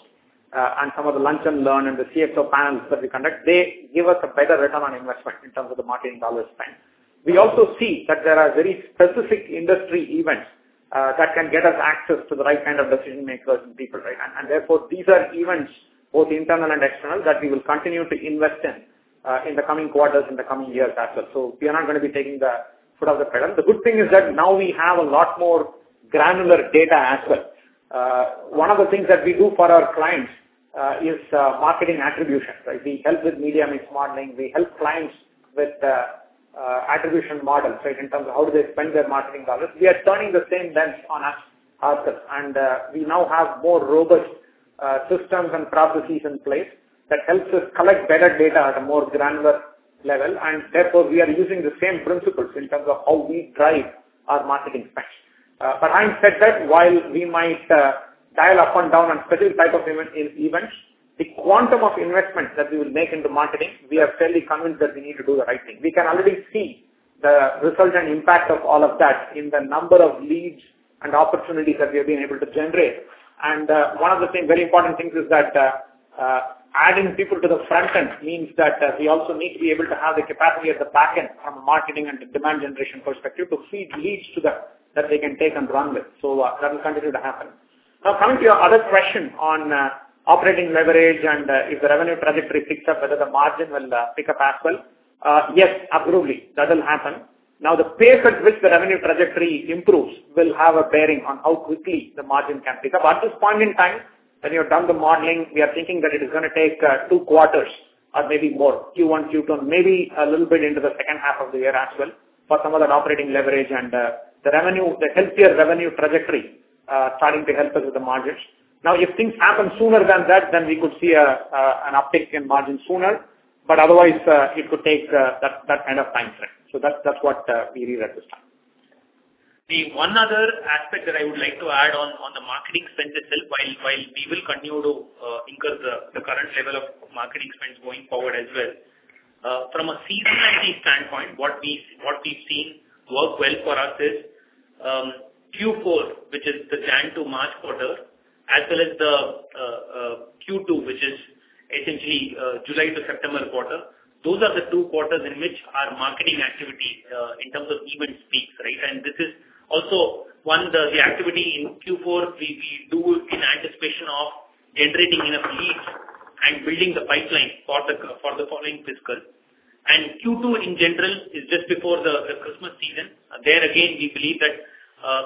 Speaker 3: and some of the Lunch & Learn and the CFO panels that we conduct, they give us a better return on investment in terms of the marketing dollars spent. We also see that there are very specific industry events that can get us access to the right kind of decision-makers and people, right? Therefore, these are events, both internal and external, that we will continue to invest in in the coming quarters, in the coming years as well. We are not gonna be taking the foot off the pedal. The good thing is that now we have a lot more granular data as well. One of the things that we do for our clients is marketing attribution, right? We help with media mix modeling. We help clients with attribution models, right? In terms of how do they spend their marketing dollars. We are turning the same lens on ourselves. We now have more robust systems and processes in place that helps us collect better data at a more granular level. Therefore, we are using the same principles in terms of how we drive our marketing spend. I said that while we might dial up and down on certain type of even-events, the quantum of investment that we will make into marketing, we are fairly convinced that we need to do the right thing. We can already see the result and impact of all of that in the number of leads and opportunities that we have been able to generate. One of the very important things is that adding people to the front end means that we also need to be able to have the capacity at the back end from a marketing and demand generation perspective to feed leads to them that they can take and run with. That will continue to happen. Coming to your other question on operating leverage, and if the revenue trajectory picks up, whether the margin will pick up as well. Yes, absolutely, that will happen. The pace at which the revenue trajectory improves will have a bearing on how quickly the margin can pick up. At this point in time, when you're done the modeling, we are thinking that it is gonna take two quarters or maybe more. Q1, Q2, maybe a little bit into the second half of the year as well for some of that operating leverage and the healthier revenue trajectory, starting to help us with the margins. If things happen sooner than that, then we could see an uptick in margin sooner, but otherwise, it could take that kind of time frame. That's what we read at this time. The one other aspect that I would like to add on the marketing spend itself, while we will continue to incur the current level of marketing spend going forward as well. From a seasonality standpoint, what we've seen work well for us is Q4, which is the January to March quarter, as well as Q2, which is essentially July to September quarter. Those are the two quarters in which our marketing activity, in terms of events peaks, right? This is also the activity in Q4 we do in anticipation of generating enough leads and building the pipeline for the following fiscal. Q2 in general is just before the Christmas season. There again, we believe that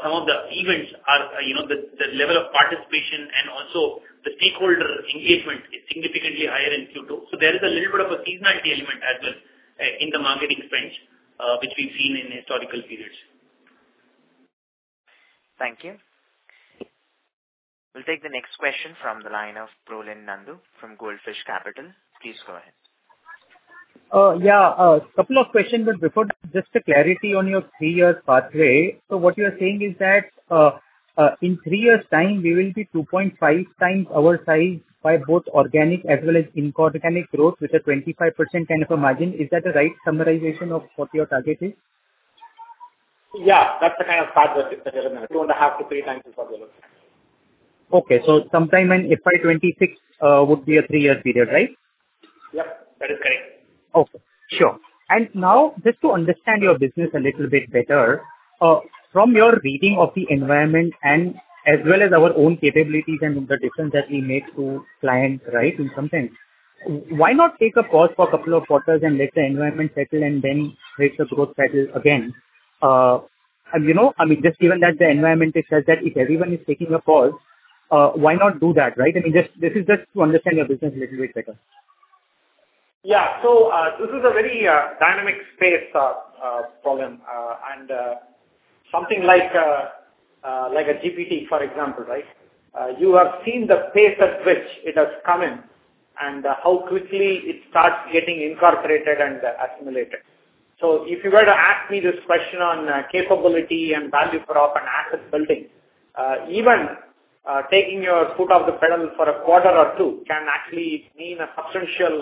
Speaker 3: some of the events are, you know, the level of participation and also the stakeholder engagement is significantly higher in Q2. There is a little bit of a seasonality element as well in the marketing spend, which we've seen in historical periods.
Speaker 1: Thank you. We'll take the next question from the line of Prolin Nandu from Goldfish Capital. Please go ahead.
Speaker 12: Yeah, couple of questions. Before that, just a clarity on your three-year pathway. What you are saying is that, in three years' time, we will be 2.5x our size by both organic as well as inorganic growth with a 25% kind of a margin. Is that the right summarization of what your target is?
Speaker 3: Yeah, that's the kind of pathway that we are looking at. 2.5x-3x is what we are looking at.
Speaker 12: Okay. Sometime in FY 2026 would be a three-year period, right?
Speaker 3: Yep, that is correct.
Speaker 12: Okay. Sure. Now just to understand your business a little bit better, from your reading of the environment and as well as our own capabilities and the difference that we make to clients, right? In some sense. Why not take a pause for a couple of quarters and let the environment settle and then let the growth settle again? You know, I mean, just given that the environment is such that if everyone is taking a pause, why not do that, right? I mean, just this is just to understand your business a little bit better.
Speaker 3: Yeah. This is a very dynamic space, Prolin. Something like a GPT, for example, right? You have seen the pace at which it has come in and how quickly it starts getting incorporated and assimilated. If you were to ask me this question on capability and value prop and asset building, even taking your foot off the pedal for a quarter or two can actually mean a substantial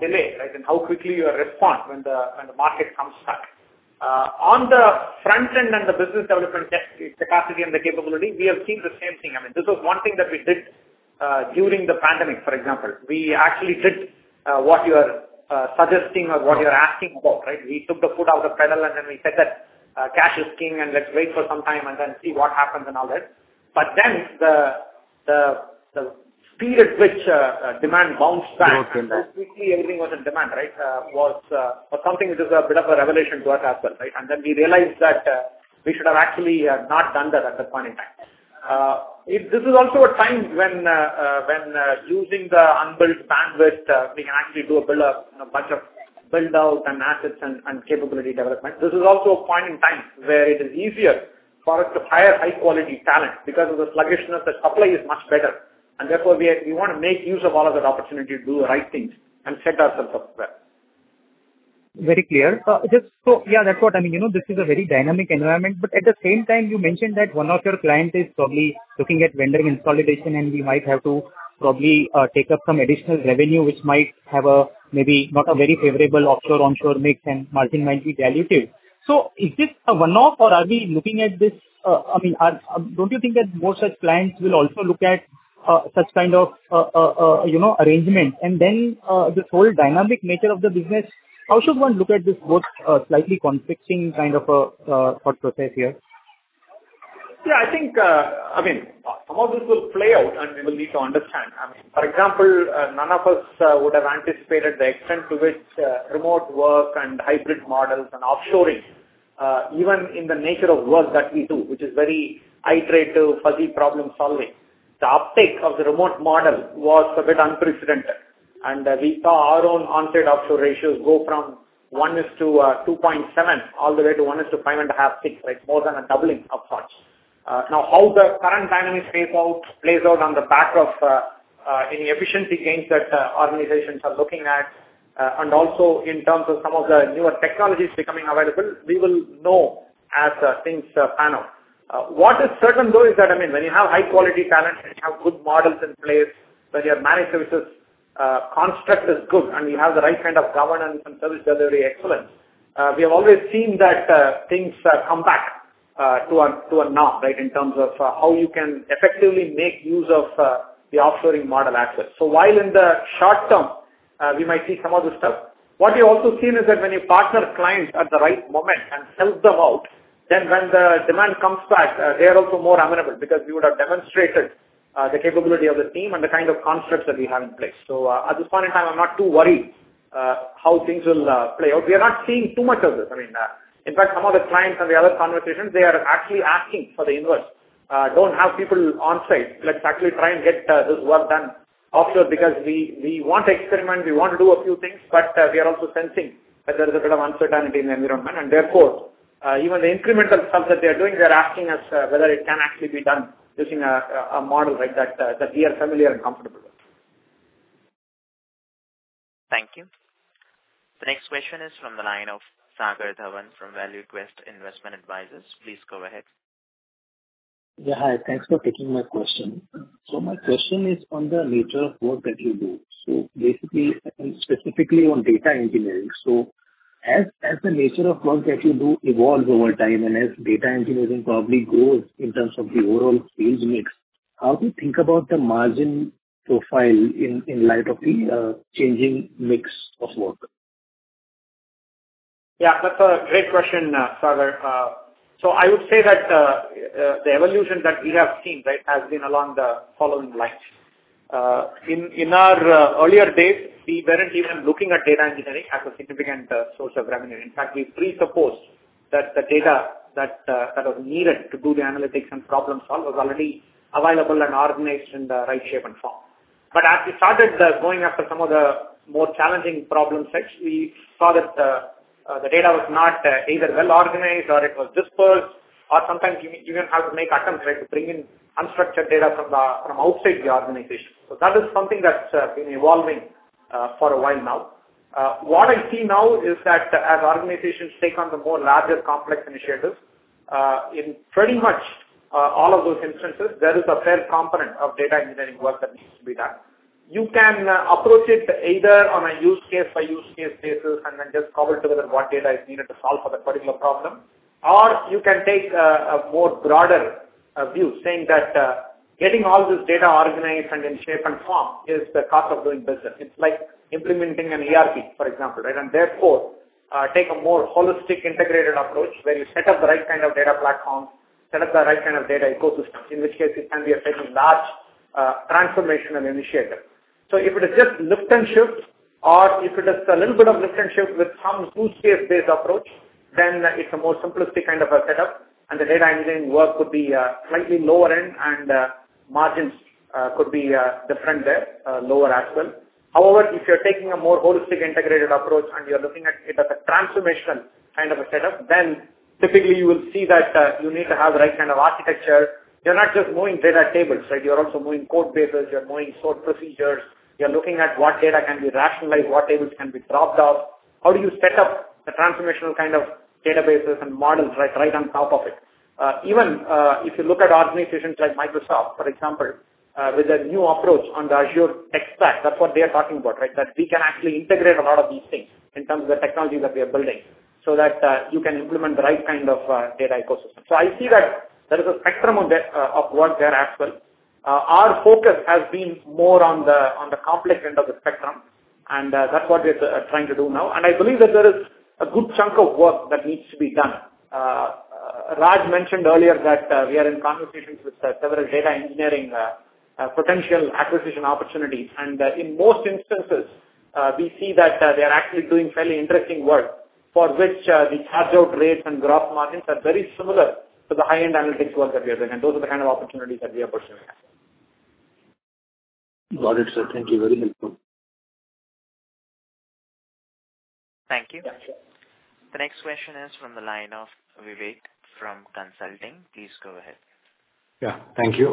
Speaker 3: delay, right? In how quickly you respond when the market comes back. On the front end and the business development capacity and the capability, we have seen the same thing. I mean, this was one thing that we did during the pandemic, for example. We actually did what you are suggesting or what you're asking about, right? We took the foot off the pedal, and then we said that, cash is king, and let's wait for some time and then see what happens and all that. The speed at which demand bounced back, how quickly everything was in demand, right? Was something which is a bit of a revelation to us as well, right? We realized that we should have actually not done that at that point in time. This is also a time when using the unbuilt bandwidth, we can actually do a build up and a bunch of build out and assets and capability development. This is also a point in time where it is easier for us to hire high-quality talent because of the sluggishness, the supply is much better, and therefore we wanna make use of all of that opportunity to do the right things and set urselves up well.
Speaker 12: Very clear. Yeah, that's what I mean. You know, this is a very dynamic environment, but at the same time, you mentioned that one of your client is probably looking at vendor consolidation, and we might have to probably, take up some additional revenue, which might have a, maybe not a very favorable offshore/onshore mix, and margin might be dilutive. Is this a one-off or are we looking at this, I mean, don't you think that more such clients will also look at, such kind of, you know, arrangement? This whole dynamic nature of the business, how should one look at this both, slightly conflicting kind of thought process here?
Speaker 3: Yeah, I think, I mean, some of this will play out, and we will need to understand. I mean, for example, none of us would have anticipated the extent to which remote work and hybrid models and offshoring, even in the nature of work that we do, which is very iterative, fuzzy problem-solving. The uptake of the remote model was a bit unprecedented. And we saw our own onsite-offshore ratios go from 1:2.7 all the way to 1:5.5, 6, right? More than a doubling of sorts. Now how the current dynamic plays out on the back of any efficiency gains that organizations are looking at, and also in terms of some of the newer technologies becoming available, we will know as things pan out. What is certain though is that, I mean, when you have high quality talent, when you have good models in place, when your managed services, construct is good and you have the right kind of governance and service delivery excellence, we have always seen that things come back to a norm, right. In terms of how you can effectively make use of the offshoring model access. While in the short term, we might see some of this stuff, what we've also seen is that when you partner clients at the right moment and help them out, then when the demand comes back, they are also more amenable because we would have demonstrated the capability of the team and the kind of constructs that we have in place. At this point in time, I'm not too worried how things will play out. We are not seeing too much of this. I mean, in fact, some of the clients and the other conversations, they are actually asking for the inverse. Don't have people on-site. Let's actually try and get this work done offshore because we want to experiment, we want to do a few things, but we are also sensing that there is a bit of uncertainty in the environment. Therefore, even the incremental stuff that they are doing, they're asking us whether it can actually be done using a model, right, that we are familiar and comfortable with.
Speaker 1: Thank you. The next question is from the line of Sagar Dhawan from ValueQuest Investment Advisors. Please go ahead.
Speaker 13: Yeah, hi. Thanks for taking my question. My question is on the nature of work that you do. Basically, and specifically on data engineering. As the nature of work that you do evolves over time, and as data engineering probably grows in terms of the overall sales mix, how do you think about the margin profile in light of the changing mix of work?
Speaker 3: Yeah, that's a great question, Sagar. I would say that the evolution that we have seen, right, has been along the following lines. In our earlier days, we weren't even looking at data engineering as a significant source of revenue. In fact, we presupposed that the data that was needed to do the analytics and problem solve was already available and organized in the right shape and form. As we started going after some of the more challenging problem sets, we saw that the data was not either well organized or it was dispersed, or sometimes you even have to make attempts, right, to bring in unstructured data from outside the organization. That is something that's been evolving for a while now. What I see now is that as organizations take on the more larger complex initiatives, in pretty much all of those instances, there is a fair component of data engineering work that needs to be done. You can approach it either on a use case by use case basis and then just cobble together what data is needed to solve for that particular problem. You can take a more broader view saying that getting all this data organized and in shape and form is the cost of doing business. It's like implementing an ERP, for example, right? Therefore, take a more holistic, integrated approach where you set up the right kind of data platform, set up the right kind of data ecosystem, in which case it can be a fairly large transformation and initiator. If it is just lift and shift or if it is a little bit of lift and shift with some use case-based approach, then it's a more simplistic kind of a setup and the data engineering work could be slightly lower end and margins could be different there, lower as well. If you're taking a more holistic integrated approach and you're looking at it as a transformation kind of a setup, then typically you will see that you need to have the right kind of architecture. You're not just moving data tables, right? You're also moving code bases, you're moving stored procedures, you're looking at what data can be rationalized, what tables can be dropped off, how do you set up the transformational kind of databases and models, right on top of it. Even, if you look at organizations like Microsoft, for example, with their new approach on the Azure tech stack, that's what they are talking about, right? That we can actually integrate a lot of these things in terms of the technology that we are building so that you can implement the right kind of data ecosystem. I see that there is a spectrum of work there as well. Our focus has been more on the, on the complex end of the spectrum, and that's what we are trying to do now. I believe that there is a good chunk of work that needs to be done. Raj mentioned earlier that we are in conversations with several data engineering potential acquisition opportunities. In most instances, we see that, they are actually doing fairly interesting work for which, the charge-out rates and gross margins are very similar to the high-end analytics work that we are doing, and those are the kind of opportunities that we are pursuing.
Speaker 13: Got it, sir. Thank you. Very helpful.
Speaker 1: Thank you. The next question is from the line of Vivek from Consulting. Please go ahead.
Speaker 14: Yeah. Thank you.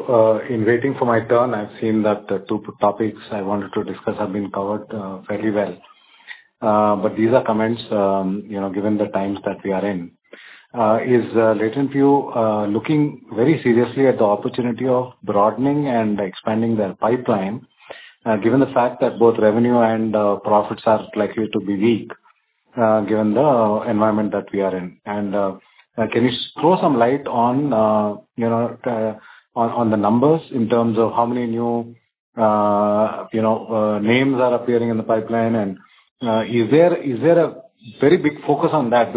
Speaker 14: In waiting for my turn, I've seen that two topics I wanted to discuss have been covered fairly well. These are comments, you know, given the times that we are in. Is LatentView looking very seriously at the opportunity of broadening and expanding their pipeline, given the fact that both revenue and profits are likely to be weak, given the environment that we are in? Can you throw some light on, you know, on the numbers in terms of how many new, you know, names are appearing in the pipeline? Is there a very big focus on that?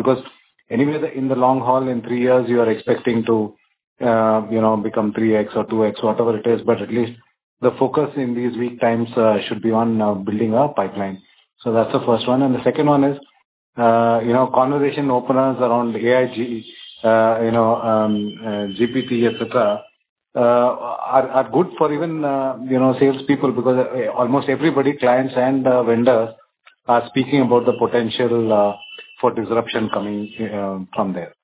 Speaker 14: Anyway, in the long haul, in three years, you are expecting to, you know, become 3x or 2x, whatever it is. At least the focus in these weak times should be on building a pipeline. That's the first one. The second one is, you know, conversation openers around Gen AI, you know, GPT, et cetera are good for even salespeople because almost everybody, clients and vendors are speaking about the potential for disruption coming from there.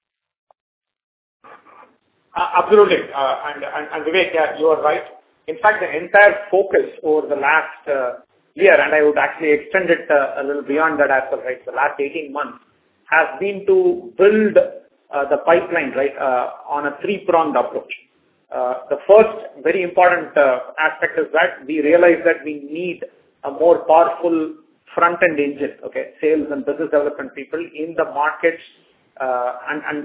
Speaker 3: Absolutely. Vivek, yeah, you are right. In fact, the entire focus over the last year, and I would actually extend it a little beyond that as well, right? The last 18 months has been to build the pipeline, right, on a three-pronged approach. The first very important aspect is that we realized that we need a more powerful front-end engine, okay, sales and business development people in the markets.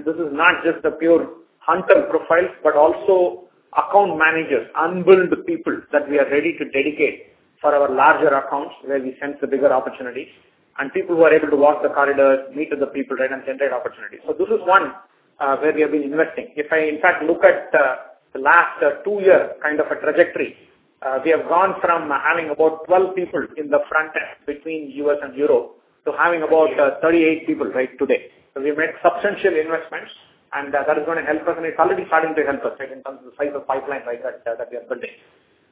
Speaker 3: This is not just the pure hunter profiles, but also account managers, unbilled people that we are ready to dedicate for our larger accounts where we sense the bigger opportunities, and people who are able to walk the corridors, meet with the people, right, and generate opportunities. This is one where we have been investing. If I, in fact, look at the last two years kind of a trajectory, we have gone from having about 12 people in the front end between U.S. and Europe to having about 38 people right today. We've made substantial investments, and that is gonna help us, and it's already starting to help us in terms of the size of pipeline that we are building.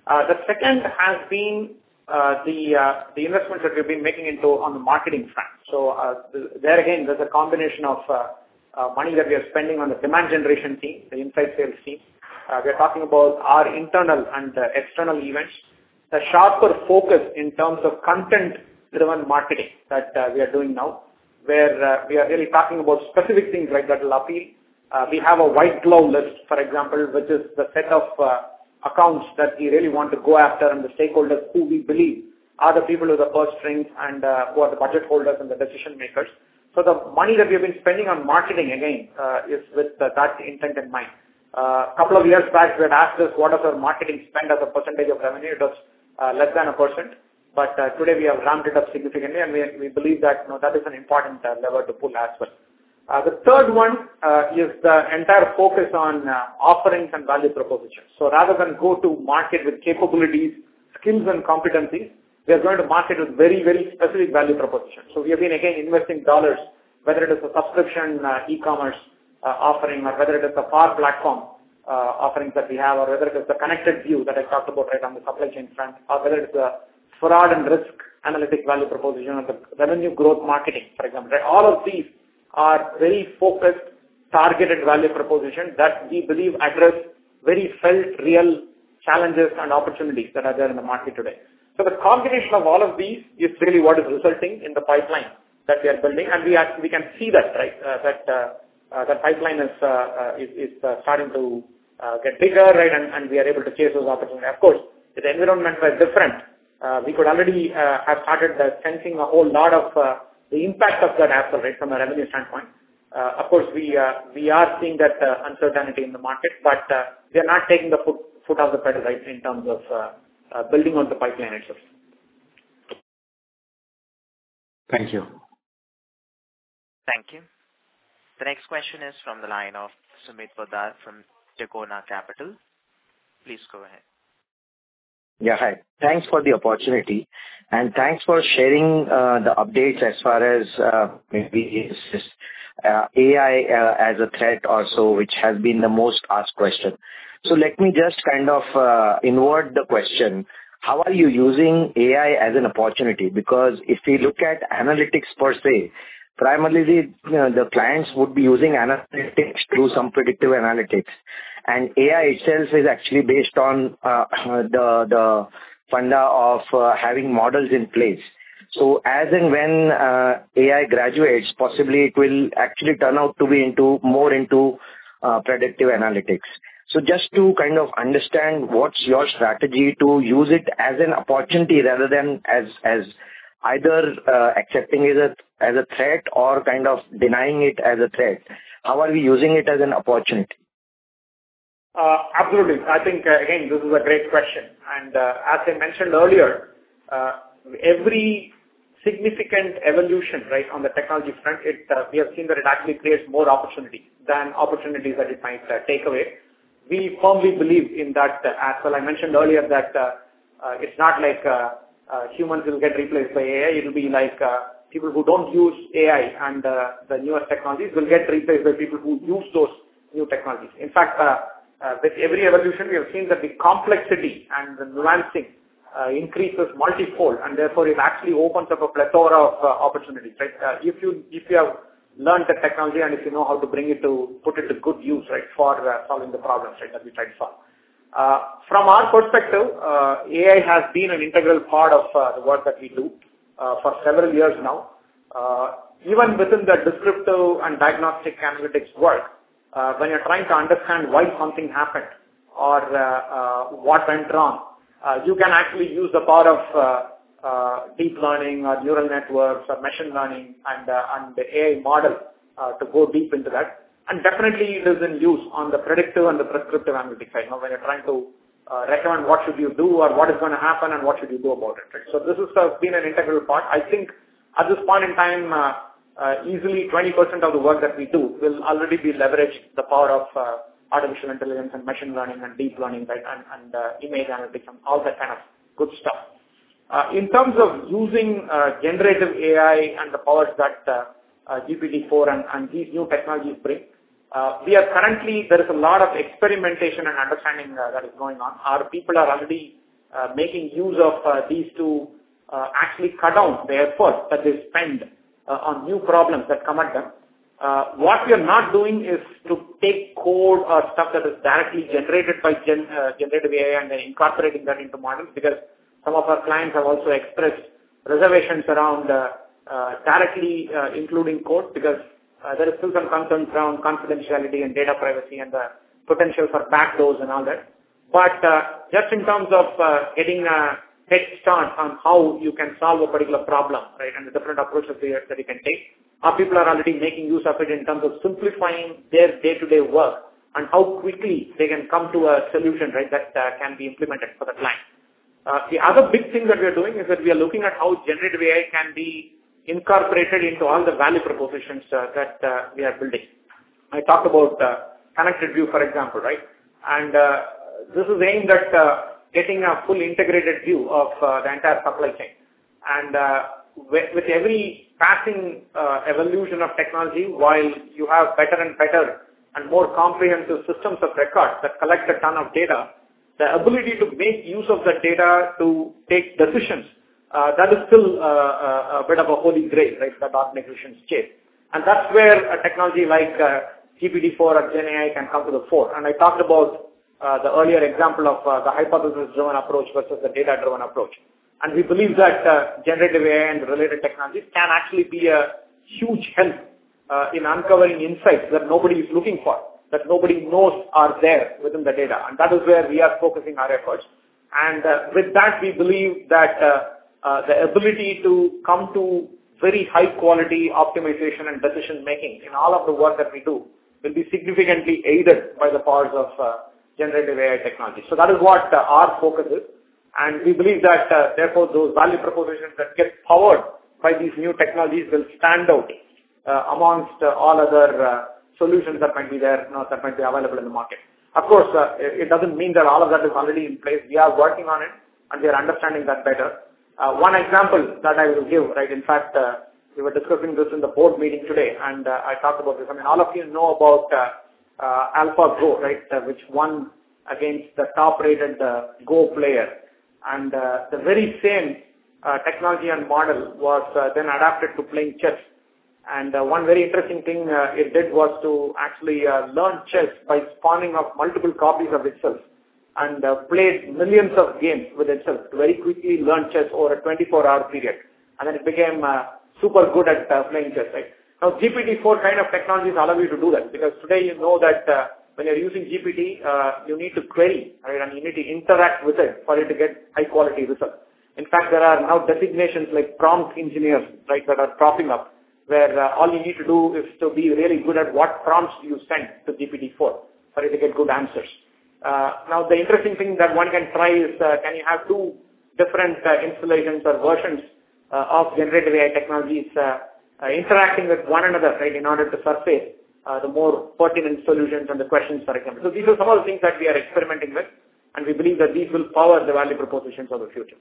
Speaker 3: The second has been the investments that we've been making into on the marketing front. There again, there's a combination of money that we are spending on the demand generation team, the inside sales team. We are talking about our internal and external events. The sharper focus in terms of content-driven marketing that we are doing now, where we are really talking about specific things like that will appeal. We have a white glove list, for example, which is the set of accounts that we really want to go after and the stakeholders who we believe are the people who are the purse strings and who are the budget holders and the decision-makers. The money that we have been spending on marketing again is with that intent in mind. A couple of years back, we had asked this, what is our marketing spend as a percentage of revenue? It was less than 1%. Today we have ramped it up significantly, and we believe that, you know, that is an important lever to pull as well. The third one is the entire focus on offerings and value propositions. Rather than go to market with capabilities, skills, and competencies, we are going to market with very, very specific value propositions. We have been, again, investing dollars, whether it is a subscription e-commerce offering or whether it is a Power Platform offerings that we have or whether it is the ConnectedView that I talked about, right, on the supply chain front, or whether it's fraud and risk analytic value proposition or the revenue growth marketing, for example, right. All of these are very focused, targeted value propositions that we believe address very felt real challenges and opportunities that are there in the market today. The combination of all of these is really what is resulting in the pipeline that we are building. We can see that, right? That pipeline is starting to get bigger, right? And we are able to chase those opportunities. Of course, if the environment was different, we could already have started sensing a whole lot of the impact of that as well, right, from a revenue standpoint. Of course, we are seeing that uncertainty in the market, but we are not taking the foot off the pedal, right, in terms of building on the pipeline itself.
Speaker 14: Thank you.
Speaker 1: Thank you. The next question is from the line of Sumit Poddar from Tikona Capital. Please go ahead.
Speaker 15: Yeah. Hi. Thanks for the opportunity. Thanks for sharing the updates as far as maybe it's just AI as a threat also, which has been the most asked question. Let me just kind of invert the question. How are you using AI as an opportunity? If we look at analytics per se, primarily, you know, the clients would be using analytics through some predictive analytics. AI itself is actually based on the funda of having models in place. As and when AI graduates, possibly it will actually turn out to be into more into predictive analytics. Just to kind of understand what's your strategy to use it as an opportunity rather than as either accepting it as a threat or kind of denying it as a threat. How are we using it as an opportunity?
Speaker 3: Absolutely. I think, again, this is a great question. As I mentioned earlier, every significant evolution, right, on the technology front, it, we have seen that it actually creates more opportunities than opportunities that it might take away. We firmly believe in that as well. I mentioned earlier that it's not like humans will get replaced by AI. It'll be like people who don't use AI and the newest technologies will get replaced by people who use those new technologies. In fact, with every evolution, we have seen that the complexity and the nuancing increases multifold, and therefore, it actually opens up a plethora of opportunities, right? If you, if you have learned the technology and if you know how to bring it to put it to good use, right, for solving the problems, right, that we try and solve. From our perspective, AI has been an integral part of the work that we do for several years now. Even within the descriptive and diagnostic analytics world, when you're trying to understand why something happened or what went wrong, you can actually use the power of deep learning or neural networks or machine learning and the AI model to go deep into that. Definitely, it is in use on the predictive and the prescriptive analytics, right? When you're trying to recommend what should you do or what is gonna happen and what should you do about it, right? This has been an integral part. I think at this point in time, easily 20% of the work that we do will already be leveraged the power of artificial intelligence and machine learning and deep learning, right, and image analytics and all that kind of good stuff. In terms of using Generative AI and the powers that GPT-4 and these new technologies bring, we are currently there is a lot of experimentation and understanding that is going on. Our people are already making use of these to actually cut down the effort that they spend on new problems that come at them. What we are not doing is to take code or stuff that is directly generated by Gen AI and then incorporating that into models because some of our clients have also expressed reservations around directly including code because there is still some concerns around confidentiality and data privacy and the potential for back doors and all that. Just in terms of getting a head start on how you can solve a particular problem, right, and the different approaches that we can take, our people are already making use of it in terms of simplifying their day-to-day work and how quickly they can come to a solution, right, that can be implemented for the client. The other big thing that we are doing is that we are looking at how generative AI can be incorporated into all the value propositions that we are building. I talked about ConnectedView, for example, right? This is aimed at getting a full integrated view of the entire supply chain. With every passing evolution of technology, while you have better and better and more comprehensive systems of record that collect a ton of data, the ability to make use of that data to take decisions that is still a bit of a holy grail, right, that optimization scale. That's where a technology like GPT-4 or Gen AI can come to the fore. I talked about the earlier example of the hypothesis-driven approach versus the data-driven approach. We believe that Generative AI and related technologies can actually be a huge help in uncovering insights that nobody is looking for, that nobody knows are there within the data, and that is where we are focusing our efforts. With that, we believe that the ability to come to very high-quality optimization and decision-making in all of the work that we do will be significantly aided by the powers of Generative AI technology. That is what our focus is. We believe that, therefore, those value propositions that get powered by these new technologies will stand out amongst all other solutions that might be there, you know, that might be available in the market. Of course, it doesn't mean that all of that is already in place. We are working on it, and we are understanding that better. One example that I will give, right, in fact, we were discussing this in the board meeting today, and I talked about this. I mean, all of you know about AlphaGo, right, which won against the top-rated Go player. The very same technology and model was then adapted to playing chess. One very interesting thing it did was to actually learn chess by spawning up multiple copies of itself and played millions of games with itself to very quickly learn chess over a 24-hour period. Then it became super good at playing chess, right? GPT-4 kind of technologies allow you to do that because today you know that, when you're using GPT, you need to query, right, and you need to interact with it for it to get high-quality results. In fact, there are now designations like prompt engineers, right, that are popping up, where, all you need to do is to be really good at what prompts do you send to GPT-4 for it to get good answers. The interesting thing that one can try is, can you have two different installations or versions of Generative AI technologies, interacting with one another, right, in order to surface the more pertinent solutions and the questions that are coming. These are some of the things that we are experimenting with, and we believe that these will power the value proposition for the future.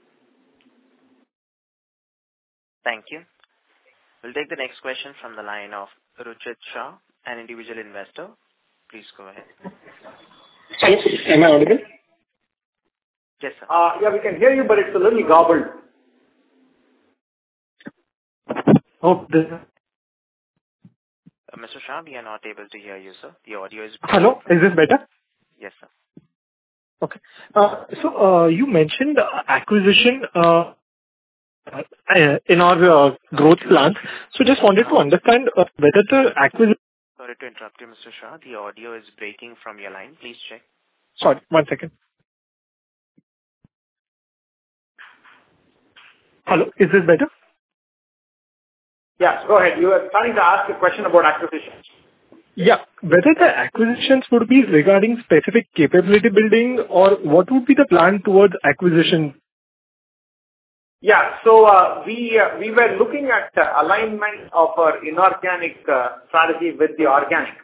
Speaker 1: Thank you. We'll take the next question from the line of Ruchit Shah, an individual investor. Please go ahead.
Speaker 16: Yes. Am I audible?
Speaker 1: Yes, sir.
Speaker 3: Yeah, we can hear you, but it's a little garbled.
Speaker 16: Oh, this is
Speaker 1: Mr. Shah, we are not able to hear you, sir. The audio is broken.
Speaker 16: Hello. Is this better?
Speaker 1: Yes, sir.
Speaker 16: Okay. You mentioned acquisition in our growth plans. Just wanted to understand whether the
Speaker 1: Sorry to interrupt you, Mr. Shah. The audio is breaking from your line. Please check.
Speaker 16: Sorry, one second. Hello. Is this better?
Speaker 3: Yeah, go ahead. You were planning to ask a question about acquisitions.
Speaker 16: Yeah. Whether the acquisitions would be regarding specific capability building or what would be the plan towards acquisition?
Speaker 3: Yeah. We were looking at alignment of our inorganic strategy with the organic.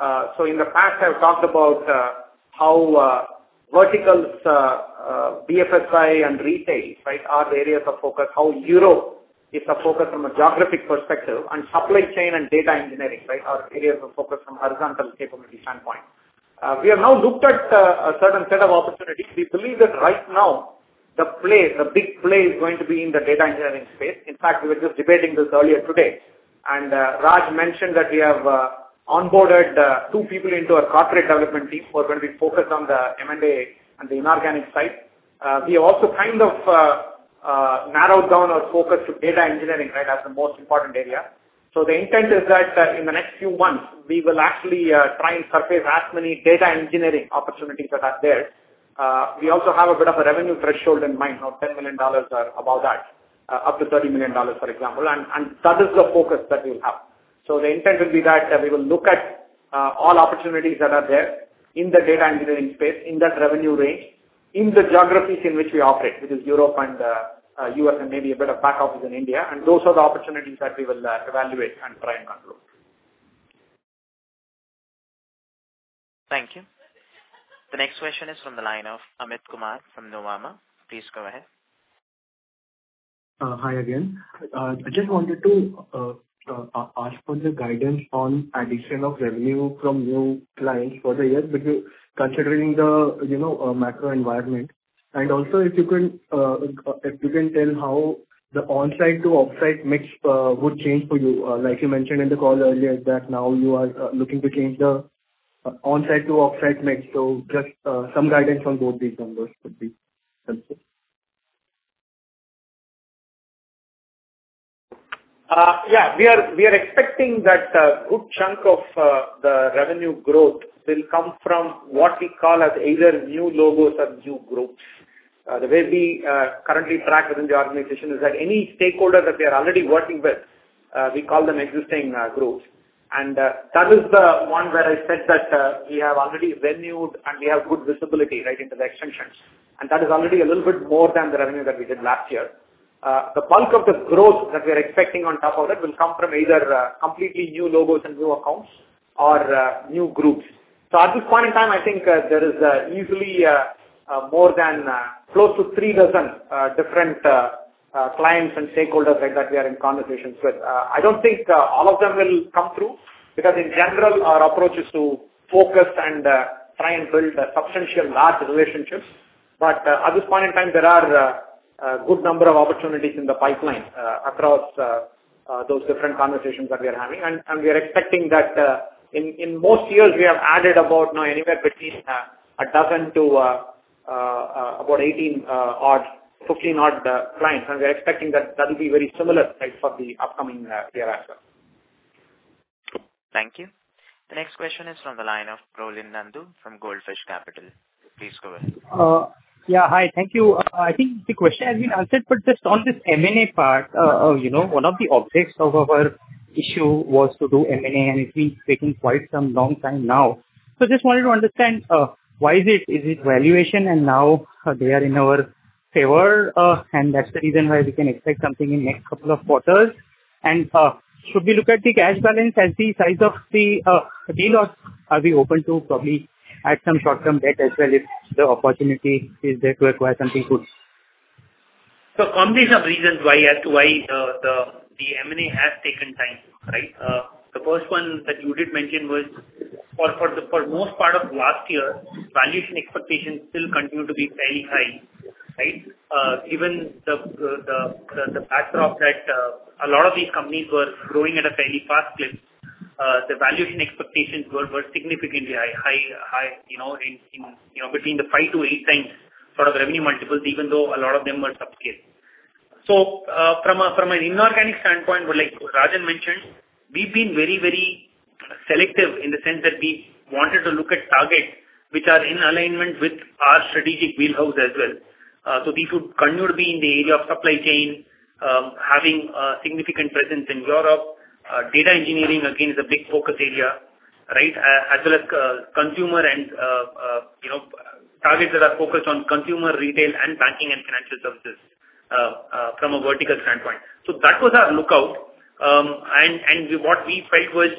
Speaker 3: In the past, I've talked about how verticals, BFSI and retail, right, are the areas of focus, how Europe is a focus from a geographic perspective, and supply chain and data engineering, right, are areas of focus from horizontal capability standpoint. We have now looked at a certain set of opportunities. We believe that right now the play, the big play is going to be in the data engineering space. In fact, we were just debating this earlier today. Raj mentioned that we have onboarded two people into our corporate development team who are going to be focused on the M&A and the inorganic side. We also kind of, narrowed down our focus to data engineering, right, as the most important area. The intent is that, in the next few months, we will actually, try and surface as many data engineering opportunities that are there. We also have a bit of a revenue threshold in mind of $10 million or above that, up to $30 million, for example, and that is the focus that we'll have. The intent will be that, we will look at, all opportunities that are there in the data engineering space, in that revenue range, in the geographies in which we operate, which is Europe and, U.S. and maybe a bit of back office in India. Those are the opportunities that we will evaluate and try and conclude.
Speaker 1: Thank you. The next question is from the line of Amit Kumar from Nuvama. Please go ahead.
Speaker 10: Hi again. I just wanted to ask for the guidance on addition of revenue from new clients for the year because considering the, you know, macro environment. Also if you can, if you can tell how the onsite to offsite mix would change for you. Like you mentioned in the call earlier that now you are looking to change the onsite to offsite mix. Just some guidance on both these numbers would be helpful.
Speaker 3: Yeah. We are expecting that a good chunk of the revenue growth will come from what we call as either new logos or new groups. The way we currently track within the organization is that any stakeholder that we are already working with, we call them existing groups. That is the one where I said that we have already renewed and we have good visibility, right, into the extensions. That is already a little bit more than the revenue that we did last year. The bulk of the growth that we are expecting on top of that will come from either completely new logos and new accounts or new groups. At this point in time, I think, there is easily more than close to three dozen different clients and stakeholders that we are in conversations with. I don't think all of them will come through because in general our approach is to focus and try and build substantial large relationships. At this point in time, there are a good number of opportunities in the pipeline across those different conversations that we are having. We are expecting that in most years we have added about, you know, anywhere between one dozen to about 18 odd, 15 odd clients. We're expecting that that'll be very similar, right, for the upcoming year as well.
Speaker 1: Thank you. The next question is from the line of Prolin Nandu from Goldfish Capital. Please go ahead.
Speaker 12: Yeah. Hi. Thank you. I think the question has been answered, but just on this M&A part. You know, one of the objects of our issue was to do M&A, and it's been taking quite some long time now. Just wanted to understand, why is it? Is it valuation and now they are in our favor, and that's the reason why we can expect something in next couple of quarters? Should we look at the cash balance as the size of the deal or are we open to probably add some short-term debt as well if the opportunity is there to acquire something good?
Speaker 3: Combination of reasons why, as to why, the M&A has taken time, right. The first one that you did mention was for the most part of last year, valuation expectations still continue to be fairly high, right. Given the backdrop that a lot of these companies were growing at a fairly fast clip, the valuation expectations were significantly high, in between the 5x-8x sort of revenue multiples even though a lot of them were subscale. From an inorganic standpoint, like Rajan mentioned, we've been very, very selective in the sense that we wanted to look at targets which are in alignment with our strategic wheelhouse as well. These would continue to be in the area of supply chain, having a significant presence in Europe. Data engineering again is a big focus area, right? as well as consumer and you know, targets that are focused on consumer retail and banking and financial services from a vertical standpoint. That was our lookout. What we felt was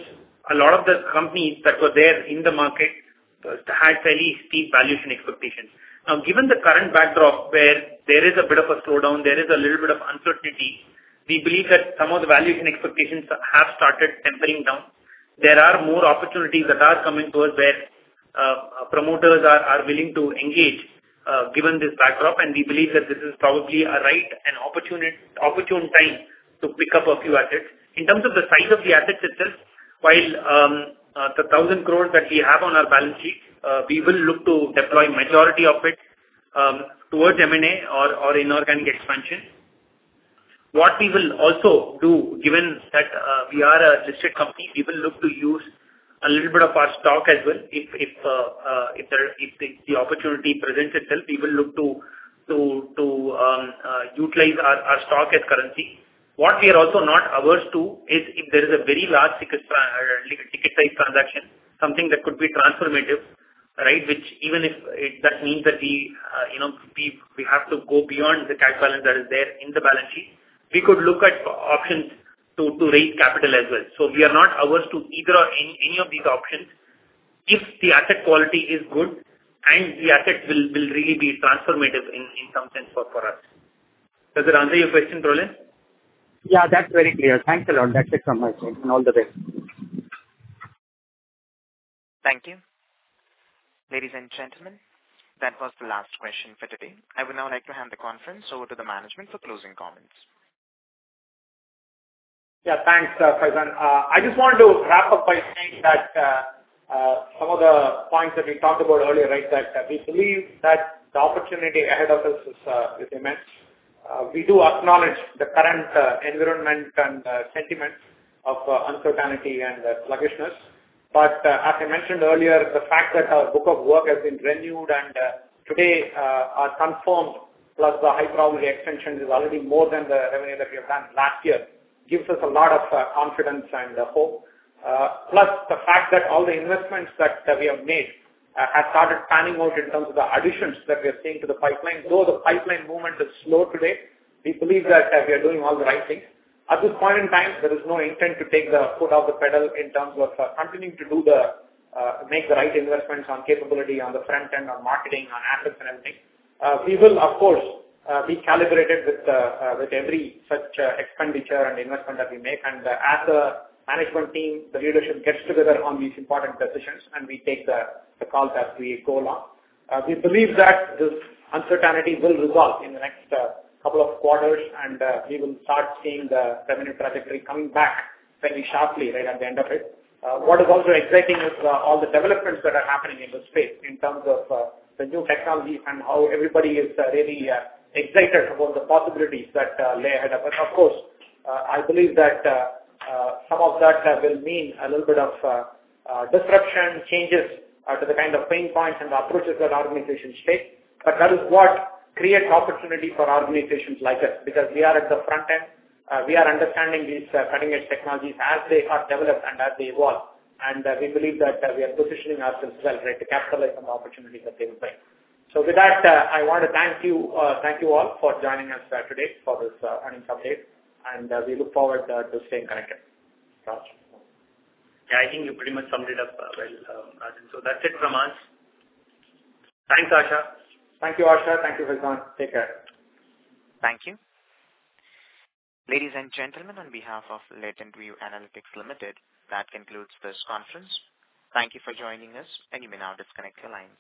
Speaker 3: a lot of the companies that were there in the market had fairly steep valuation expectations. Given the current backdrop where there is a bit of a slowdown, there is a little bit of uncertainty, we believe that some of the valuation expectations have started tempering down. There are more opportunities that are coming to us where promoters are willing to engage given this backdrop. We believe that this is probably a right and opportune time to pick up a few assets. In terms of the size of the assets itself, while the 1,000 crore that we have on our balance sheet, we will look to deploy majority of it towards M&A or inorganic expansion. What we will also do, given that we are a listed company, we will look to use a little bit of our stock as well. If the opportunity presents itself, we will look to utilize our stock as currency. What we are also not averse to is if there is a very large ticket size transaction, something that could be transformative, right? That means that we, you know, we have to go beyond the cash balance that is there in the balance sheet. We could look at options to raise capital as well. We are not averse to either or any of these options if the asset quality is good and the asset will really be transformative in some sense for us. Does that answer your question, Prolin?
Speaker 12: Yeah, that's very clear. Thanks a lot. That's it from my side, and all the best.
Speaker 1: Thank you. Ladies and gentlemen, that was the last question for today. I would now like to hand the conference over to the management for closing comments.
Speaker 3: Thanks, Rajan. I just wanted to wrap up by saying that some of the points that we talked about earlier, right? That we believe that the opportunity ahead of us is immense. We do acknowledge the current environment and sentiment of uncertainty and sluggishness. As I mentioned earlier, the fact that our book of work has been renewed and today are confirmed, plus the high-probability extensions is already more than the revenue that we have done last year, gives us a lot of confidence and hope. Plus the fact that all the investments that we have made has started panning out in terms of the additions that we are seeing to the pipeline. The pipeline movement is slow today, we believe that we are doing all the right things. At this point in time, there is no intent to take the foot off the pedal in terms of continuing to make the right investments on capability on the front end, on marketing, on assets and everything. We will of course, be calibrated with every such expenditure and investment that we make. As a management team, the leadership gets together on these important decisions and we take the call as we go along. We believe that this uncertainty will resolve in the next couple of quarters and we will start seeing the revenue trajectory coming back fairly sharply right at the end of it. What is also exciting is all the developments that are happening in this space in terms of the new technologies and how everybody is really excited about the possibilities that lay ahead. Of course, I believe that some of that will mean a little bit of disruption, changes to the kind of pain points and approaches that organizations take. That is what creates opportunity for organizations like us, because we are at the front end. We are understanding these cutting-edge technologies as they are developed and as they evolve. We believe that we are positioning ourselves well, right, to capitalize on the opportunities that they will bring. With that, I want to thank you. Thank you all for joining us today for this earnings update, and we look forward to staying connected. Raj?
Speaker 4: Yeah. I think you pretty much summed it up, well, Rajan. That's it from us. Thanks, Asha.
Speaker 3: Thank you, Asha. Thank you, Rajan. Take care.
Speaker 1: Thank you. Ladies and gentlemen, on behalf of LatentView Analytics Limited, that concludes this conference. Thank you for joining us, and you may now disconnect your lines.